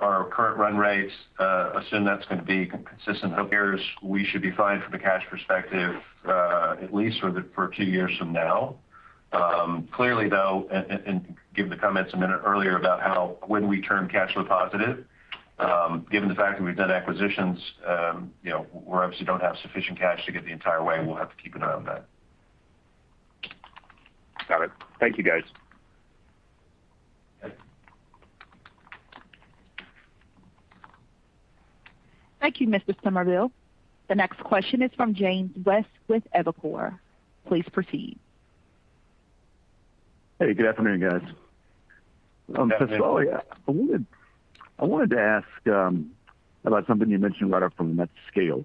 our current run rates, assume that's going to be consistent over the years, we should be fine from a cash perspective, at least for a few years from now. Clearly, given the comments a minute earlier about when we turn cash flow positive, given the fact that we've done acquisitions, we obviously don't have sufficient cash to get the entire way, and we'll have to keep an eye on that. Got it. Thank you, guys. Yeah. Thank you, Mr. Summerville. The next question is from James West with Evercore. Please proceed. Hey, good afternoon, guys. Good afternoon. First of all, I wanted to ask about something you mentioned right up front, and that's scale.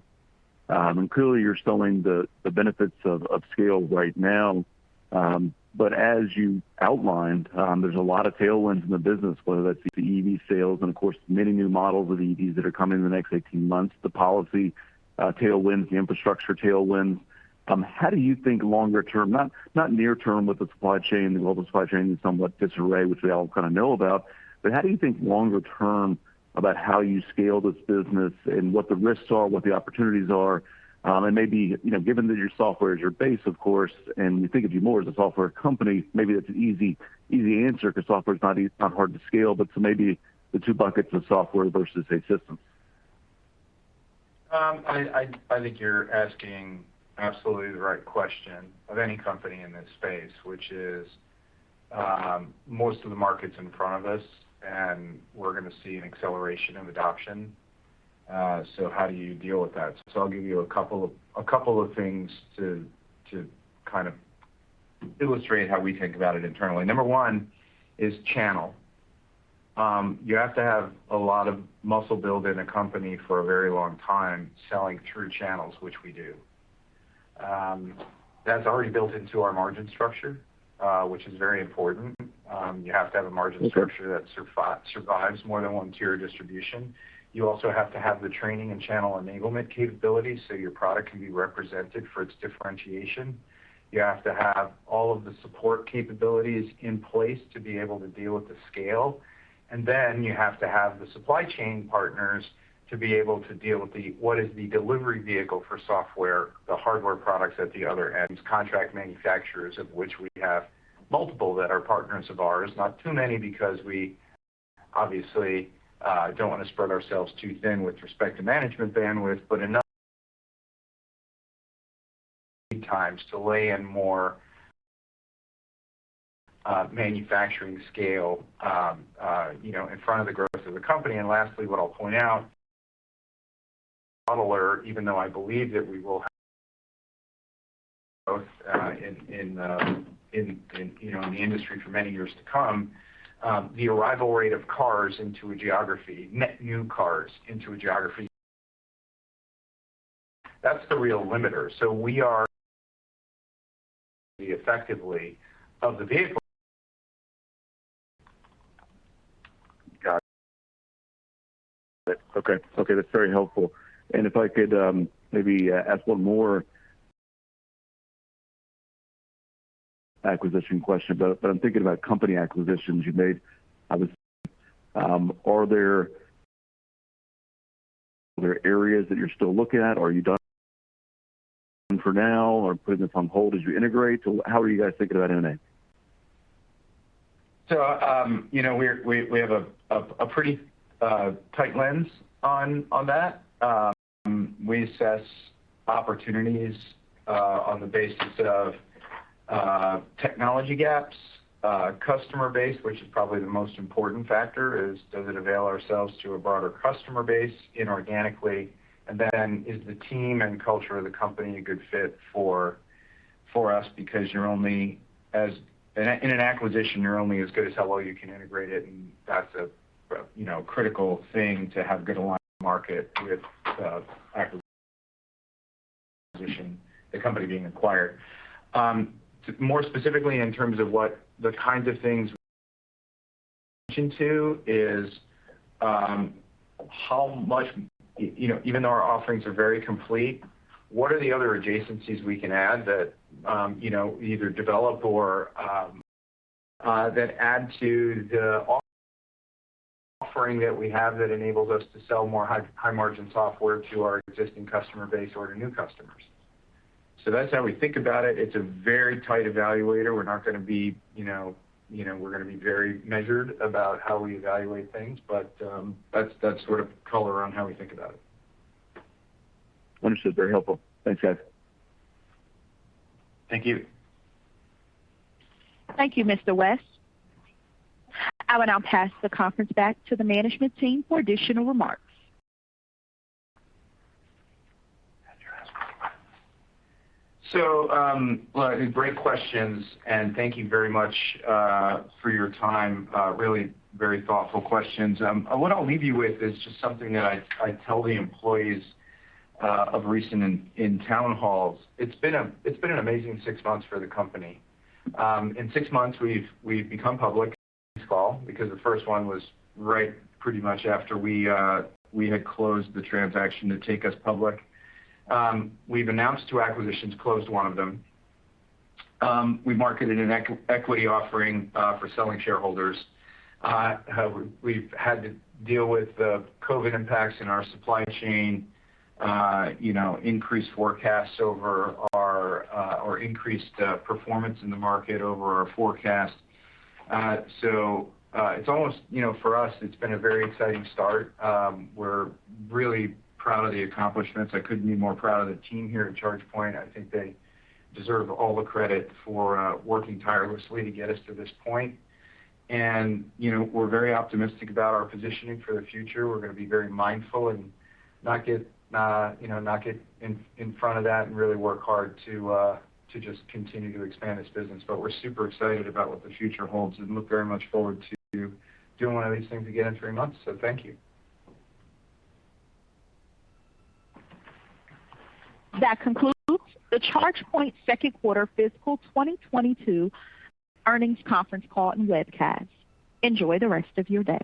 Clearly you're selling the benefits of scale right now. As you outlined, there's a lot of tailwinds in the business, whether that's the EV sales and, of course, many new models of EVs that are coming in the next 18 months, the policy tailwinds, the infrastructure tailwinds. How do you think longer term, not near term with the supply chain, we know the supply chain is in somewhat disarray, which we all know about, but how do you think longer term about how you scale this business and what the risks are, what the opportunities are? Maybe, given that your software is your base, of course, and we think of you more as a software company, maybe that's an easy answer because software's not hard to scale, but maybe the two buckets of software versus, say, systems. I think you're asking absolutely the right question of any company in this space, which is most of the market's in front of us, and we're going to see an acceleration of adoption. How do you deal with that? I'll give you a couple of things to illustrate how we think about it internally. Number one is channel. You have to have a lot of muscle built in a company for a very long time selling through channels, which we do. That's already built into our margin structure, which is very important. You have to have a margin structure. Okay. That survives more than one tier of distribution. You also have to have the training and channel enablement capabilities so your product can be represented for its differentiation. You have to have all of the support capabilities in place to be able to deal with the scale. You have to have the supply chain partners to be able to deal with what is the delivery vehicle for software, the hardware products at the other end, Contract Manufacturers, of which we have multiple that are partners of ours. Not too many, because we obviously don't want to spread ourselves too thin with respect to management bandwidth, but enough times to lay in more manufacturing scale in front of the growth of the company. Lastly, what I'll point out, even though I believe that we will have both in the industry for many years to come, the arrival rate of cars into a geography, net new cars into a geography, that's the real limiter. We are the effectively of the vehicle. Got it. Okay, that's very helpful. If I could maybe ask one more acquisition question, but I'm thinking about company acquisitions you made, obviously. Are there areas that you're still looking at? Are you done for now or putting this on hold as you integrate? How are you guys thinking about M&A? We have a pretty tight lens on that. We assess opportunities on the basis of technology gaps, customer base, which is probably the most important factor is, does it avail ourselves to a broader customer base inorganically? Is the team and culture of the company a good fit for us? Because in an acquisition, you're only as good as how well you can integrate it, and that's a critical thing to have good alignment in the market with the acquisition, the company being acquired. More specifically, in terms of what the kinds of things we're looking into, even though our offerings are very complete, what are the other adjacencies we can add that either develop. Offering that we have that enables us to sell more high-margin software to our existing customer base or to new customers. That's how we think about it. It's a very tight evaluator. We're going to be very measured about how we evaluate things, but that's color on how we think about it. Understood. Very helpful. Thanks, guys. Thank you. Thank you, Mr. West. I will now pass the conference back to the management team for additional remarks. Great questions, and thank you very much for your time. Really, very thoughtful questions. What I'll leave you with is just something that I tell the employees of recent in town halls. It's been an amazing six months for the company. In six months, we've become public this fall, because the first one was right pretty much after we had closed the transaction to take us public. We've announced two acquisitions, closed one of them. We marketed an equity offering for selling shareholders. We've had to deal with the COVID impacts in our supply chain, increased forecasts or increased performance in the market over our forecast. For us, it's been a very exciting start. We're really proud of the accomplishments. I couldn't be more proud of the team here at ChargePoint. I think they deserve all the credit for working tirelessly to get us to this point. We're very optimistic about our positioning for the future. We're going to be very mindful and not get in front of that and really work hard to just continue to expand this business. We're super excited about what the future holds and look very much forward to doing one of these things again in three months, thank you. That concludes the ChargePoint second quarter fiscal 2022 earnings conference call and webcast. Enjoy the rest of your day.